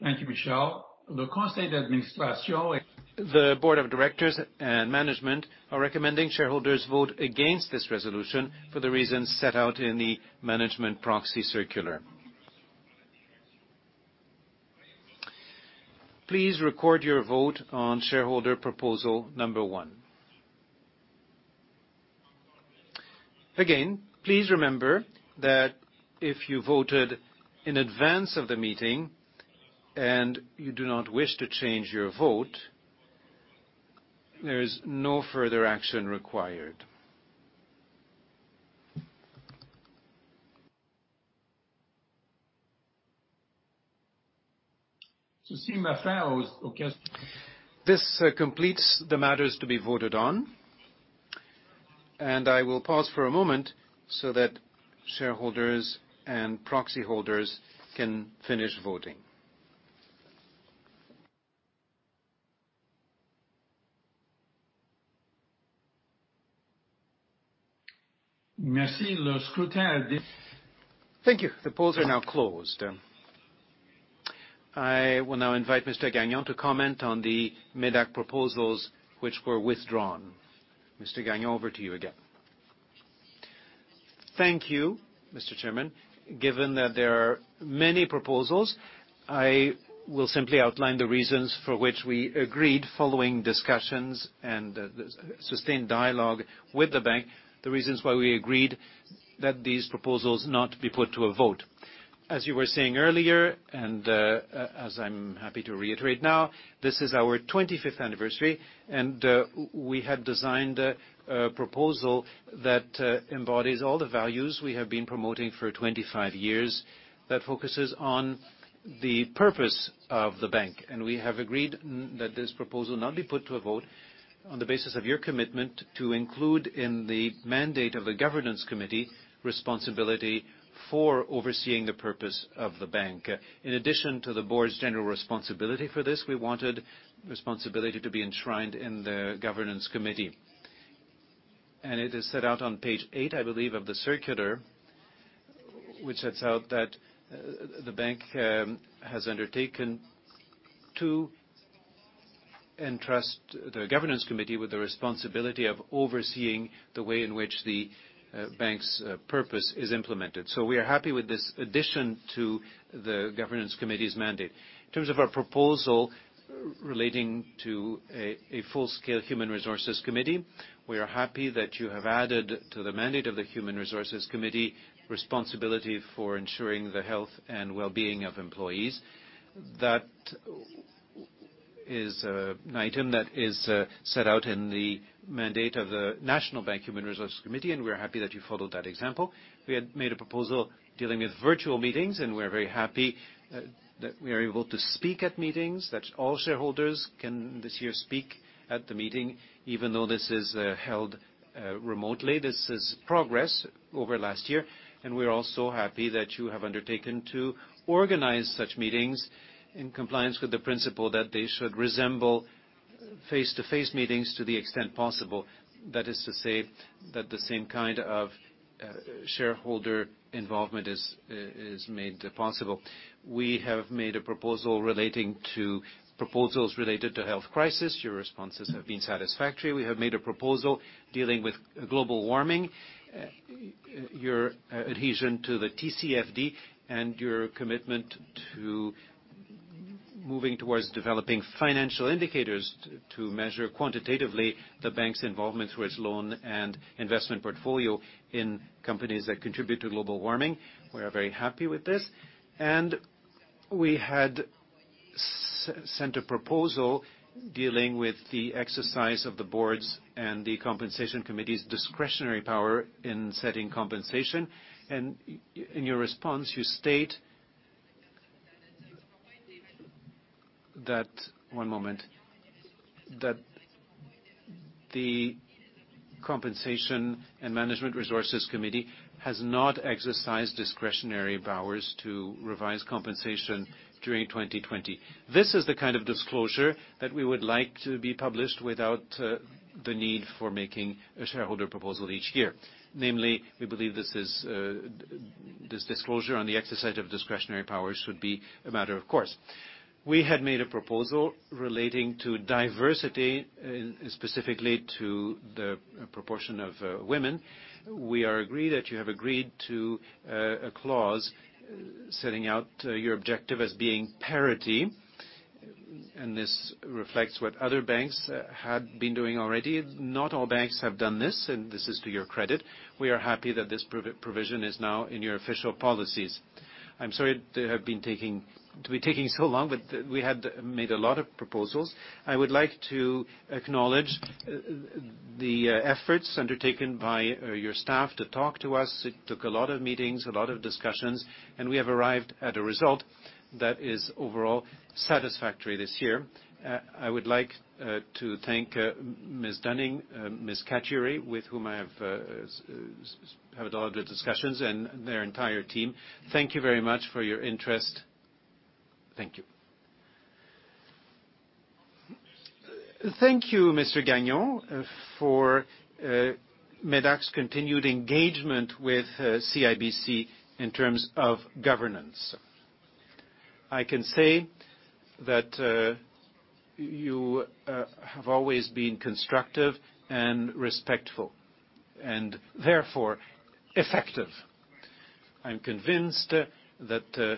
Thank you, Michelle. Le conseil d'administration. The board of directors and management are recommending shareholders vote against this resolution for the reasons set out in the Management Proxy Circular. Please record your vote on shareholder proposal number one. Again, please remember that if you voted in advance of the meeting and you do not wish to change your vote, there is no further action required. Ceci me fait aux questions. This completes the matters to be voted on, and I will pause for a moment so that shareholders and proxy holders can finish voting. Merci. Le scrutin est. Thank you. The polls are now closed. I will now invite Mr. Gagnon to comment on the MEDAC proposals which were withdrawn. Mr. Gagnon, over to you again. Thank you, Mr. Chairman. Given that there are many proposals, I will simply outline the reasons for which we agreed following discussions and sustained dialogue with the bank, the reasons why we agreed that these proposals not be put to a vote. As you were saying earlier, and as I'm happy to reiterate now, this is our 25th anniversary, and we had designed a proposal that embodies all the values we have been promoting for 25 years that focuses on the purpose of the bank. We have agreed that this proposal not be put to a vote on the basis of your commitment to include in the mandate of the governance committee responsibility for overseeing the purpose of the bank. In addition to the board's general responsibility for this, we wanted responsibility to be enshrined in the governance committee. It is set out on page eight, I believe, of the circular, which sets out that the bank has undertaken to entrust the governance committee with the responsibility of overseeing the way in which the bank's purpose is implemented. We are happy with this addition to the governance committee's mandate. In terms of our proposal relating to a full-scale human resources committee, we are happy that you have added to the mandate of the human resources committee responsibility for ensuring the health and well-being of employees. That is an item that is set out in the mandate of the National Bank Human Resources Committee, and we are happy that you followed that example. We had made a proposal dealing with virtual meetings, and we are very happy that we are able to speak at meetings, that all shareholders can this year speak at the meeting, even though this is held remotely. This is progress over last year, and we are also happy that you have undertaken to organize such meetings in compliance with the principle that they should resemble face-to-face meetings to the extent possible. That is to say that the same kind of shareholder involvement is made possible. We have made a proposal relating to proposals related to health crisis. Your responses have been satisfactory. We have made a proposal dealing with global warming, your adhesion to the TCFD, and your commitment to moving towards developing financial indicators to measure quantitatively the bank's involvement through its loan and investment portfolio in companies that contribute to global warming. We are very happy with this. We had sent a proposal dealing with the exercise of the board's and the compensation committee's discretionary power in setting compensation. In your response, you state that, one moment, that the compensation and management resources committee has not exercised discretionary powers to revise compensation during 2020. This is the kind of disclosure that we would like to be published without the need for making a shareholder proposal each year. Namely, we believe this disclosure on the exercise of discretionary powers should be a matter of course. We had made a proposal relating to diversity, specifically to the proportion of women. We are agreed that you have agreed to a clause setting out your objective as being parity, and this reflects what other banks had been doing already. Not all banks have done this, and this is to your credit. We are happy that this provision is now in your official policies. I'm sorry to be taking so long, but we had made a lot of proposals. I would like to acknowledge the efforts undertaken by your staff to talk to us. It took a lot of meetings, a lot of discussions, and we have arrived at a result that is overall satisfactory this year. I would like to thank Ms. Dunning, Ms. Caturay, with whom I have had a lot of discussions, and their entire team. Thank you very much for your interest. Thank you. Thank you, Mr. Gagnon, for MEDAC's continued engagement with CIBC in terms of governance. I can say that you have always been constructive and respectful and, therefore, effective. I'm convinced that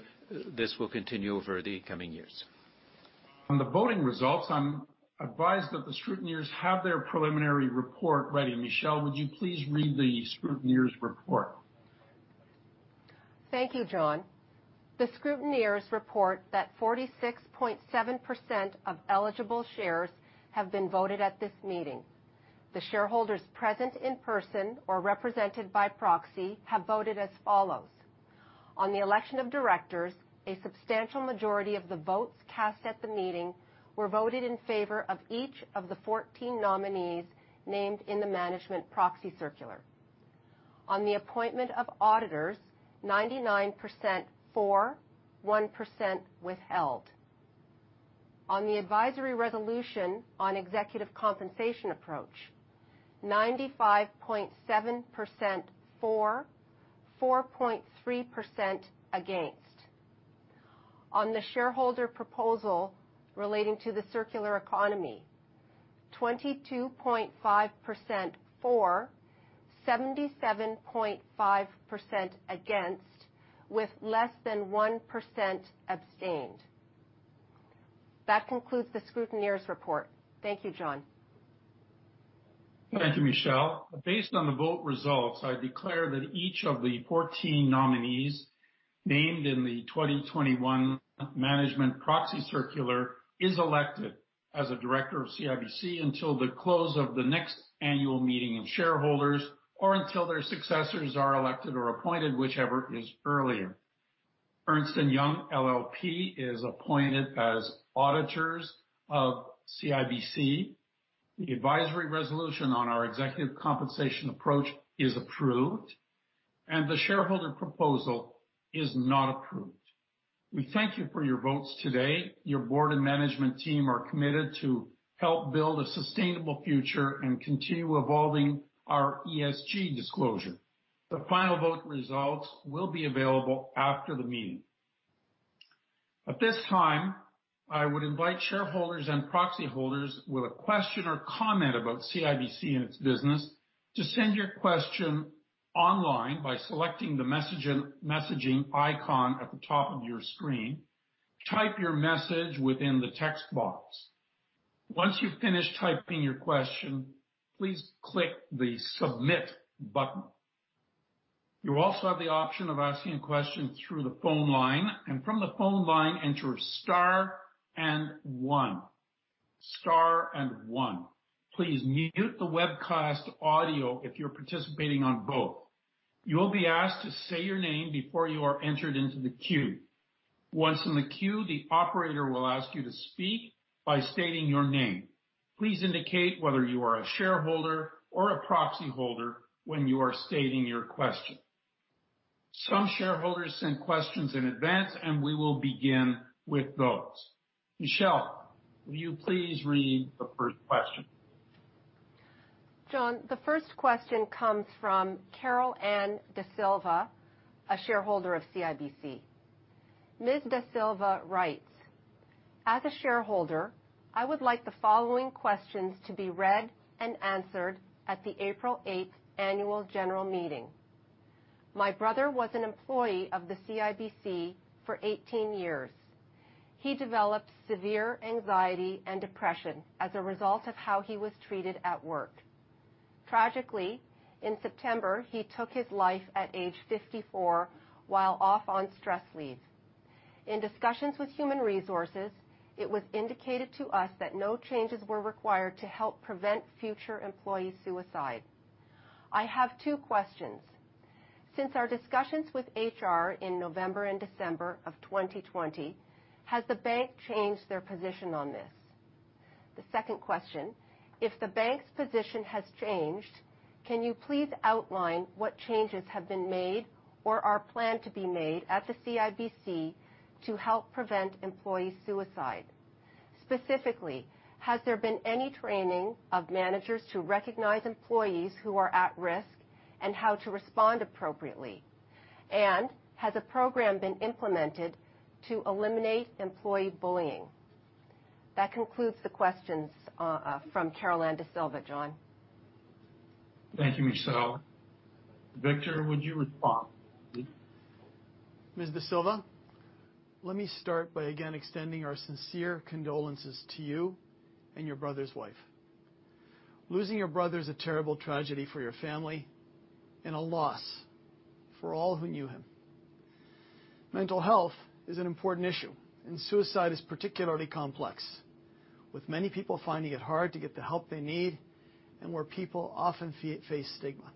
this will continue over the coming years. On the voting results, I'm advised that the scrutineers have their preliminary report ready. Michelle, would you please read the scrutineer's report? Thank you, John Manley. The scrutineers report that 46.7% of eligible shares have been voted at this meeting. The shareholders present in person or represented by proxy have voted as follows. On the election of directors, a substantial majority of the votes cast at the meeting were voted in favor of each of the 14 nominees named in the Management Proxy Circular. On the appointment of auditors, 99% for, 1% withheld. On the advisory resolution on executive compensation approach, 95.7% for, 4.3% against. On the shareholder proposal relating to the circular economy, 22.5% for, 77.5% against, with less than 1% abstained. That concludes the scrutineer's report. Thank you, John Manley. Thank you, Michelle. Based on the vote results, I declare that each of the 14 nominees named in the 2021 Management Proxy Circular is elected as a director of CIBC until the close of the next annual meeting of shareholders or until their successors are elected or appointed, whichever is earlier. Ernst & Young LLP is appointed as auditors of CIBC. The advisory resolution on our executive compensation approach is approved, and the shareholder proposal is not approved. We thank you for your votes today. Your board and management team are committed to help build a sustainable future and continue evolving our ESG disclosure. The final vote results will be available after the meeting. At this time, I would invite shareholders and proxy holders with a question or comment about CIBC and its business to send your question online by selecting the messaging icon at the top of your screen. Type your message within the text box. Once you've finished typing your question, please click the submit button. You also have the option of asking a question through the phone line, and from the phone line, enter star and one. Star and one. Please mute the webcast audio if you're participating on both. You will be asked to say your name before you are entered into the queue. Once in the queue, the operator will ask you to speak by stating your name. Please indicate whether you are a shareholder or a proxy holder when you are stating your question. Some shareholders send questions in advance, and we will begin with those. Michelle, will you please read the first question? John Manley, the first question comes from Carol Anne Da Silva, a shareholder of CIBC. Ms. Da Silva writes, "As a shareholder, I would like the following questions to be read and answered at the April 8th annual general meeting. My brother was an employee of the CIBC for 18 years. He developed severe anxiety and depression as a result of how he was treated at work. Tragically, in September, he took his life at age 54 while off on stress leave. In discussions with human resources, it was indicated to us that no changes were required to help prevent future employee suicide. I have two questions. Since our discussions with HR in November and December of 2020, has the bank changed their position on this? The second question, if the bank's position has changed, can you please outline what changes have been made or are planned to be made at the CIBC to help prevent employee suicide? Specifically, has there been any training of managers to recognize employees who are at risk and how to respond appropriately? Has a program been implemented to eliminate employee bullying? That concludes the questions from Carol Anne Da Silva, John Manley. Thank you, Michelle. Victor G. Dodig G. Dodig, would you respond? Ms. Da Silva, let me start by again extending our sincere condolences to you and your brother's wife. Losing your brother is a terrible tragedy for your family and a loss for all who knew him. Mental health is an important issue, and suicide is particularly complex, with many people finding it hard to get the help they need and where people often face stigma.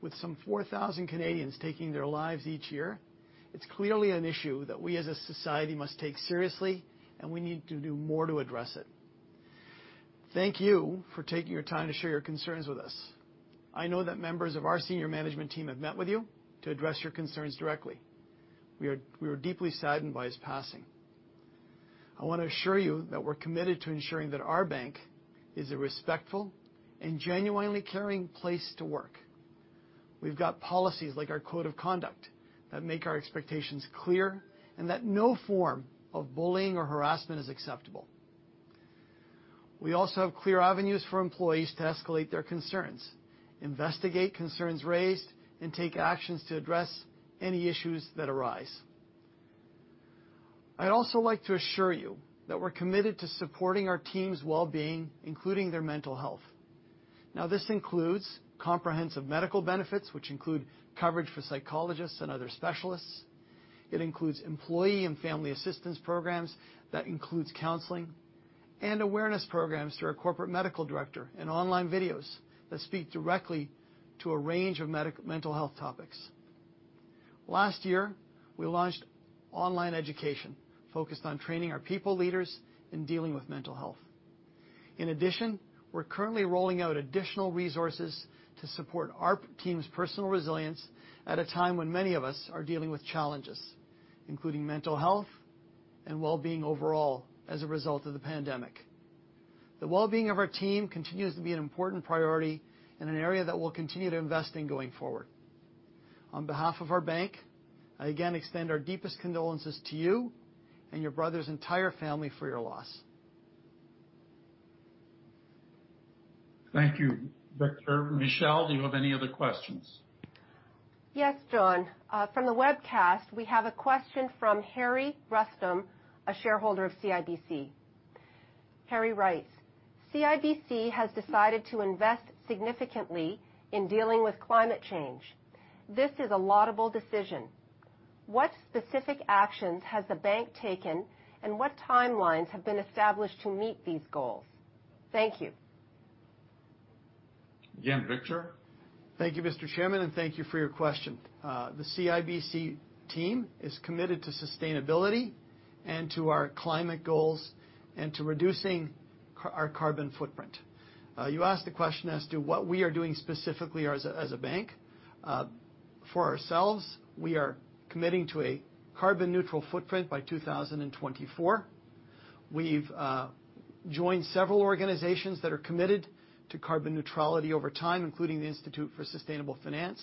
With some 4,000 Canadians taking their lives each year, it's clearly an issue that we as a society must take seriously, and we need to do more to address it. Thank you for taking your time to share your concerns with us. I know that members of our senior management team have met with you to address your concerns directly. We are deeply saddened by his passing. I want to assure you that we're committed to ensuring that our bank is a respectful and genuinely caring place to work. We've got policies like our code of conduct that make our expectations clear and that no form of bullying or harassment is acceptable. We also have clear avenues for employees to escalate their concerns, investigate concerns raised, and take actions to address any issues that arise. I'd also like to assure you that we're committed to supporting our team's well-being, including their mental health. Now, this includes comprehensive medical benefits, which include coverage for psychologists and other specialists. It includes employee and family assistance programs. That includes counseling and awareness programs through our corporate medical director and online videos that speak directly to a range of mental health topics. Last year, we launched online education focused on training our people leaders in dealing with mental health. In addition, we're currently rolling out additional resources to support our team's personal resilience at a time when many of us are dealing with challenges, including mental health and well-being overall as a result of the pandemic. The well-being of our team continues to be an important priority and an area that we'll continue to invest in going forward. On behalf of our bank, I again extend our deepest condolences to you and your brother's entire family for your loss. Thank you, Victor G. Dodig G. Dodig. Michelle, do you have any other questions? Yes, John Manley. From the webcast, we have a question from Harry Rustam, a shareholder of CIBC. Harry writes, "CIBC has decided to invest significantly in dealing with climate change. This is a laudable decision. What specific actions has the bank taken, and what timelines have been established to meet these goals?" Thank you. Again, Victor G. Dodig G. Dodig. Thank you, Mr. Chairman, and thank you for your question. The CIBC team is committed to sustainability and to our climate goals and to reducing our carbon footprint. You asked the question as to what we are doing specifically as a bank. For ourselves, we are committing to a carbon-neutral footprint by 2024. We've joined several organizations that are committed to carbon neutrality over time, including the Institute for Sustainable Finance.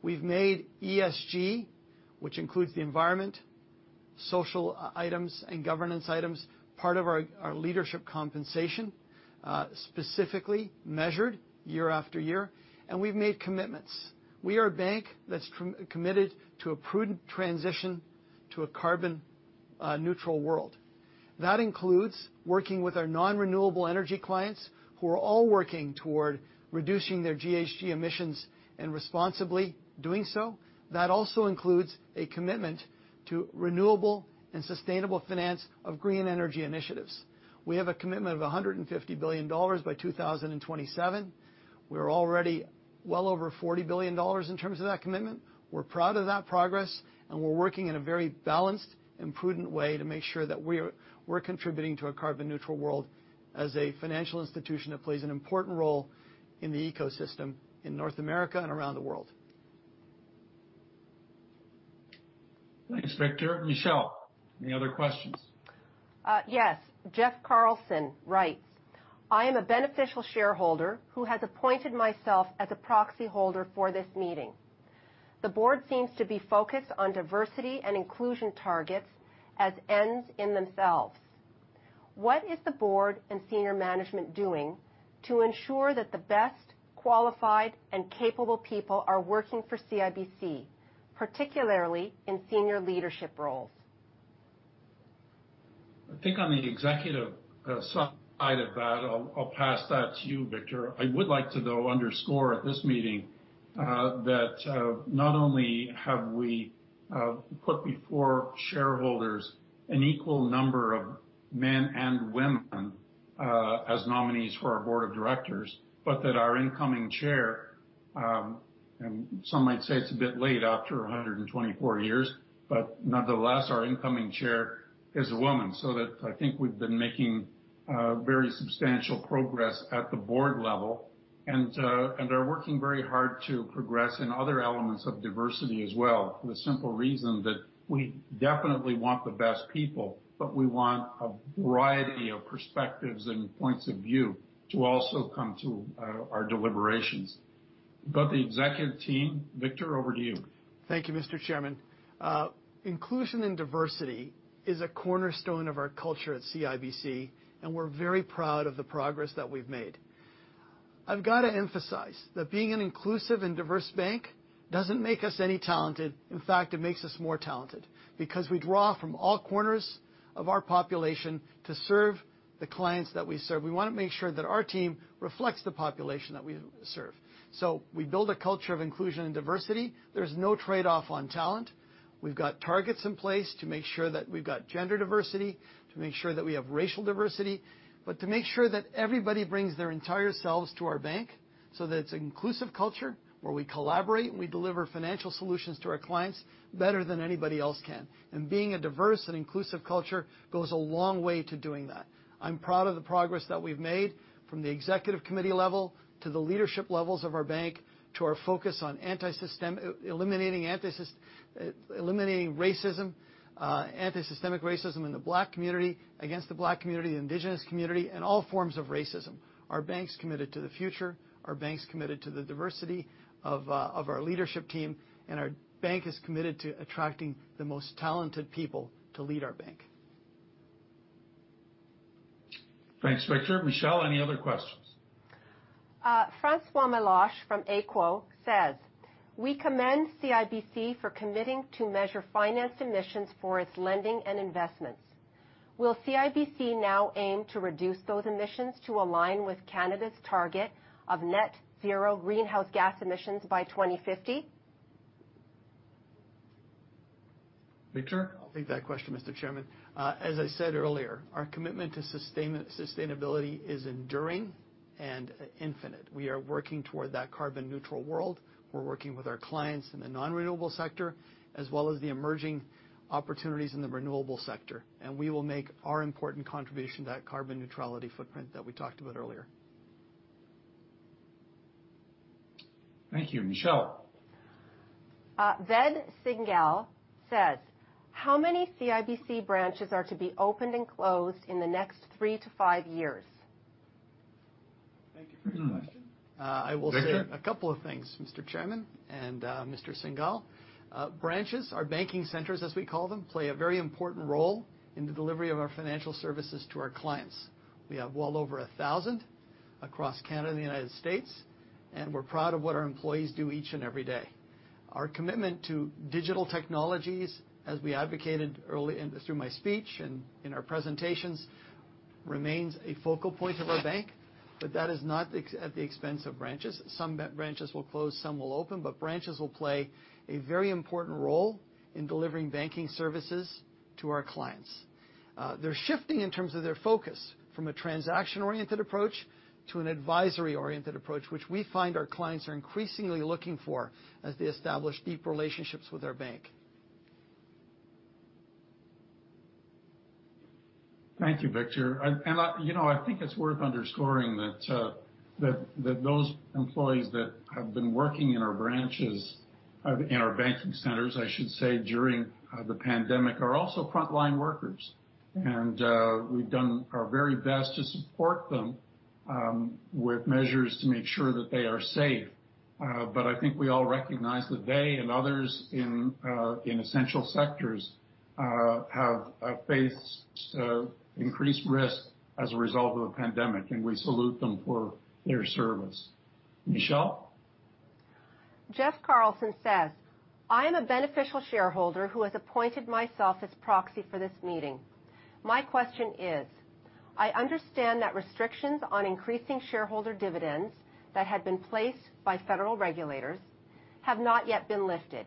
We've made ESG, which includes the environment, social items, and governance items, part of our leadership compensation, specifically measured year after year, and we've made commitments. We are a bank that's committed to a prudent transition to a carbon-neutral world. That includes working with our non-renewable energy clients who are all working toward reducing their GHG emissions and responsibly doing so. That also includes a commitment to renewable and sustainable finance of green energy initiatives. We have a commitment of 150 billion dollars by 2027. We're already well over 40 billion dollars in terms of that commitment. We're proud of that progress, and we're working in a very balanced and prudent way to make sure that we're contributing to a carbon-neutral world as a financial institution that plays an important role in the ecosystem in North America and around the world. Thanks, Victor G. Dodig G. Dodig. Michelle, any other questions? Yes. Jeff Carlson writes, "I am a beneficial shareholder who has appointed myself as a proxy holder for this meeting. The board seems to be focused on diversity and inclusion targets as ends in themselves. What is the board and senior management doing to ensure that the best, qualified, and capable people are working for CIBC, particularly in senior leadership roles?" I think on the executive side of that, I'll pass that to you, Victor G. Dodig G. Dodig. I would like to, though, underscore at this meeting that not only have we put before shareholders an equal number of men and women as nominees for our board of directors, but that our incoming chair, and some might say it's a bit late after 124 years, but nonetheless, our incoming chair is a woman. I think we've been making very substantial progress at the board level and are working very hard to progress in other elements of diversity as well for the simple reason that we definitely want the best people, but we want a variety of perspectives and points of view to also come to our deliberations. The executive team, Victor G. Dodig G. Dodig, over to you. Thank you, Mr. Chairman. Inclusion and diversity is a cornerstone of our culture at CIBC, and we're very proud of the progress that we've made. I've got to emphasize that being an inclusive and diverse bank doesn't make us any talented. In fact, it makes us more talented because we draw from all corners of our population to serve the clients that we serve. We want to make sure that our team reflects the population that we serve. We build a culture of inclusion and diversity. There's no trade-off on talent. We've got targets in place to make sure that we've got gender diversity, to make sure that we have racial diversity, but to make sure that everybody brings their entire selves to our bank so that it's an inclusive culture where we collaborate and we deliver financial solutions to our clients better than anybody else can. Being a diverse and inclusive culture goes a long way to doing that. I'm proud of the progress that we've made from the executive committee level to the leadership levels of our bank to our focus on eliminating racism, anti-systemic racism in the Black community, against the Black community, the Indigenous community, and all forms of racism. Our bank's committed to the future. Our bank's committed to the diversity of our leadership team, and our bank is committed to attracting the most talented people to lead our bank. Thanks, Victor G. Dodig G. Dodig. Michelle, any other questions? François Melloch from ECHO says, "We commend CIBC for committing to measure financed emissions for its lending and investments. Will CIBC now aim to reduce those emissions to align with Canada's target of net-zero greenhouse gas emissions by 2050?" Victor G. Dodig G. Dodig? I'll take that question, Mr. Chairman. As I said earlier, our commitment to sustainability is enduring and infinite. We are working toward that carbon-neutral world. We're working with our clients in the non-renewable sector as well as the emerging opportunities in the renewable sector, and we will make our important contribution to that carbon neutrality footprint that we talked about earlier. Thank you. Michelle? Ved Singal says, "How many CIBC branches are to be opened and closed in the next three to five years?" Thank you for your question. I will say a couple of things, Mr. Chairman and Mr. Singal. Branches, our banking centers, as we call them, play a very important role in the delivery of our financial services to our clients. We have well over 1,000 across Canada and the United States, and we're proud of what our employees do each and every day. Our commitment to digital technologies, as we advocated through my speech and in our presentations, remains a focal point of our bank, but that is not at the expense of branches. Some branches will close, some will open, but branches will play a very important role in delivering banking services to our clients. They're shifting in terms of their focus from a transaction-oriented approach to an advisory-oriented approach, which we find our clients are increasingly looking for as they establish deep relationships with our bank. Thank you, Victor G. Dodig G. Dodig. I think it's worth underscoring that those employees that have been working in our branches, in our banking centers, I should say, during the pandemic, are also frontline workers. We've done our very best to support them with measures to make sure that they are safe. I think we all recognize that they and others in essential sectors have faced increased risk as a result of the pandemic, and we salute them for their service. Michelle? Jeff Carlson says, "I am a beneficial shareholder who has appointed myself as proxy for this meeting. My question is, I understand that restrictions on increasing shareholder dividends that had been placed by federal regulators have not yet been lifted.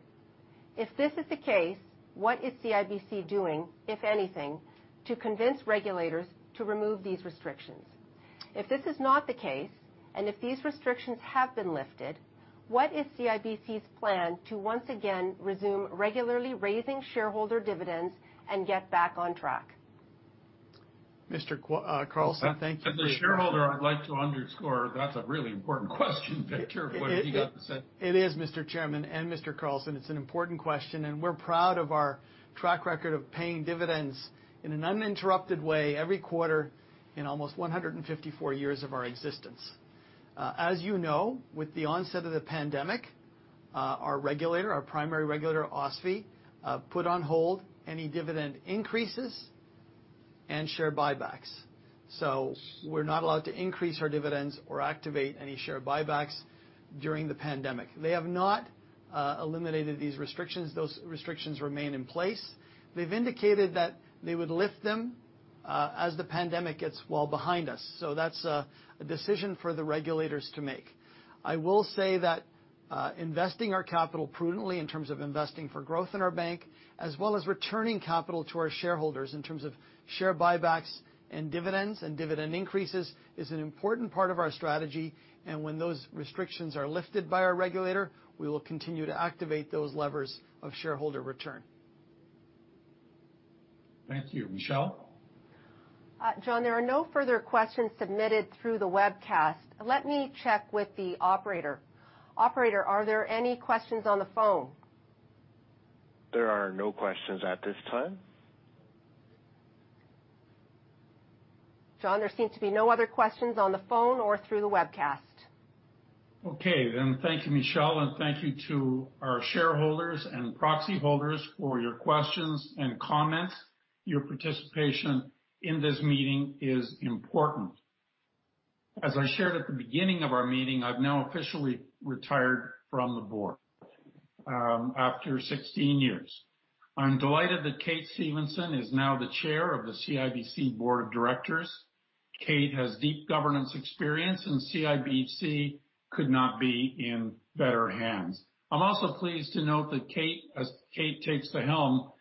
If this is the case, what is CIBC doing, if anything, to convince regulators to remove these restrictions? If this is not the case, and if these restrictions have been lifted, what is CIBC's plan to once again resume regularly raising shareholder dividends and get back on track?" Mr. Carlson, thank you. As a shareholder, I'd like to underscore that's a really important question, Victor G. Dodig G. Dodig. What have you got to say? It is, Mr. Chairman and Mr. Carlson. It's an important question, and we're proud of our track record of paying dividends in an uninterrupted way every quarter in almost 154 years of our existence. As you know, with the onset of the pandemic, our regulator, our primary regulator, OSFI, put on hold any dividend increases and share buybacks. We are not allowed to increase our dividends or activate any share buybacks during the pandemic. They have not eliminated these restrictions. Those restrictions remain in place. They have indicated that they would lift them as the pandemic gets well behind us. That is a decision for the regulators to make. I will say that investing our capital prudently in terms of investing for growth in our bank, as well as returning capital to our shareholders in terms of share buybacks and dividends and dividend increases, is an important part of our strategy. When those restrictions are lifted by our regulator, we will continue to activate those levers of shareholder return. Thank you. Michelle? John Manley, there are no further questions submitted through the webcast. Let me check with the operator. Operator, are there any questions on the phone? There are no questions at this time. John Manley, there seems to be no other questions on the phone or through the webcast. Okay. Thank you, Michelle, and thank you to our shareholders and proxy holders for your questions and comments. Your participation in this meeting is important. As I shared at the beginning of our meeting, I have now officially retired from the board after 16 years. I am delighted that Kate Stephenson is now the Chair of the CIBC Board of Directors. Kate has deep governance experience, and CIBC could not be in better hands. I'm also pleased to note that as Kate takes the helm,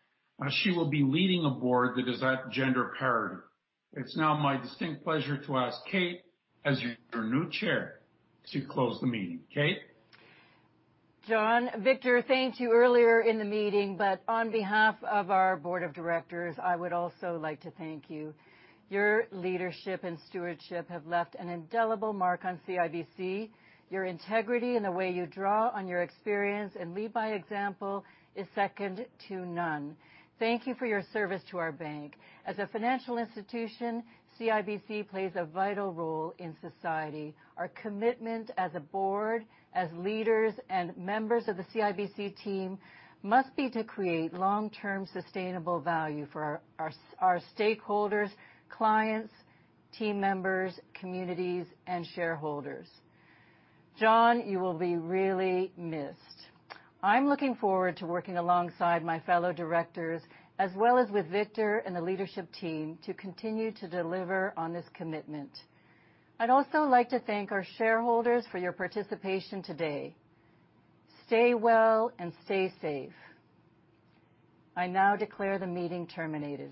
she will be leading a board that is at gender parity. It's now my distinct pleasure to ask Kate, as your new Chair, to close the meeting. Kate? John Manley, Victor G. Dodig G. Dodig, thank you earlier in the meeting, but on behalf of our Board of Directors, I would also like to thank you. Your leadership and stewardship have left an indelible mark on CIBC. Your integrity and the way you draw on your experience and lead by example is second to none. Thank you for your service to our bank. As a financial institution, CIBC plays a vital role in society. Our commitment as a board, as leaders, and members of the CIBC team must be to create long-term sustainable value for our stakeholders, clients, team members, communities, and shareholders. John Manley, you will be really missed. I'm looking forward to working alongside my fellow directors, as well as with Victor G. Dodig G. Dodig and the leadership team, to continue to deliver on this commitment. I'd also like to thank our shareholders for your participation today. Stay well and stay safe. I now declare the meeting terminated.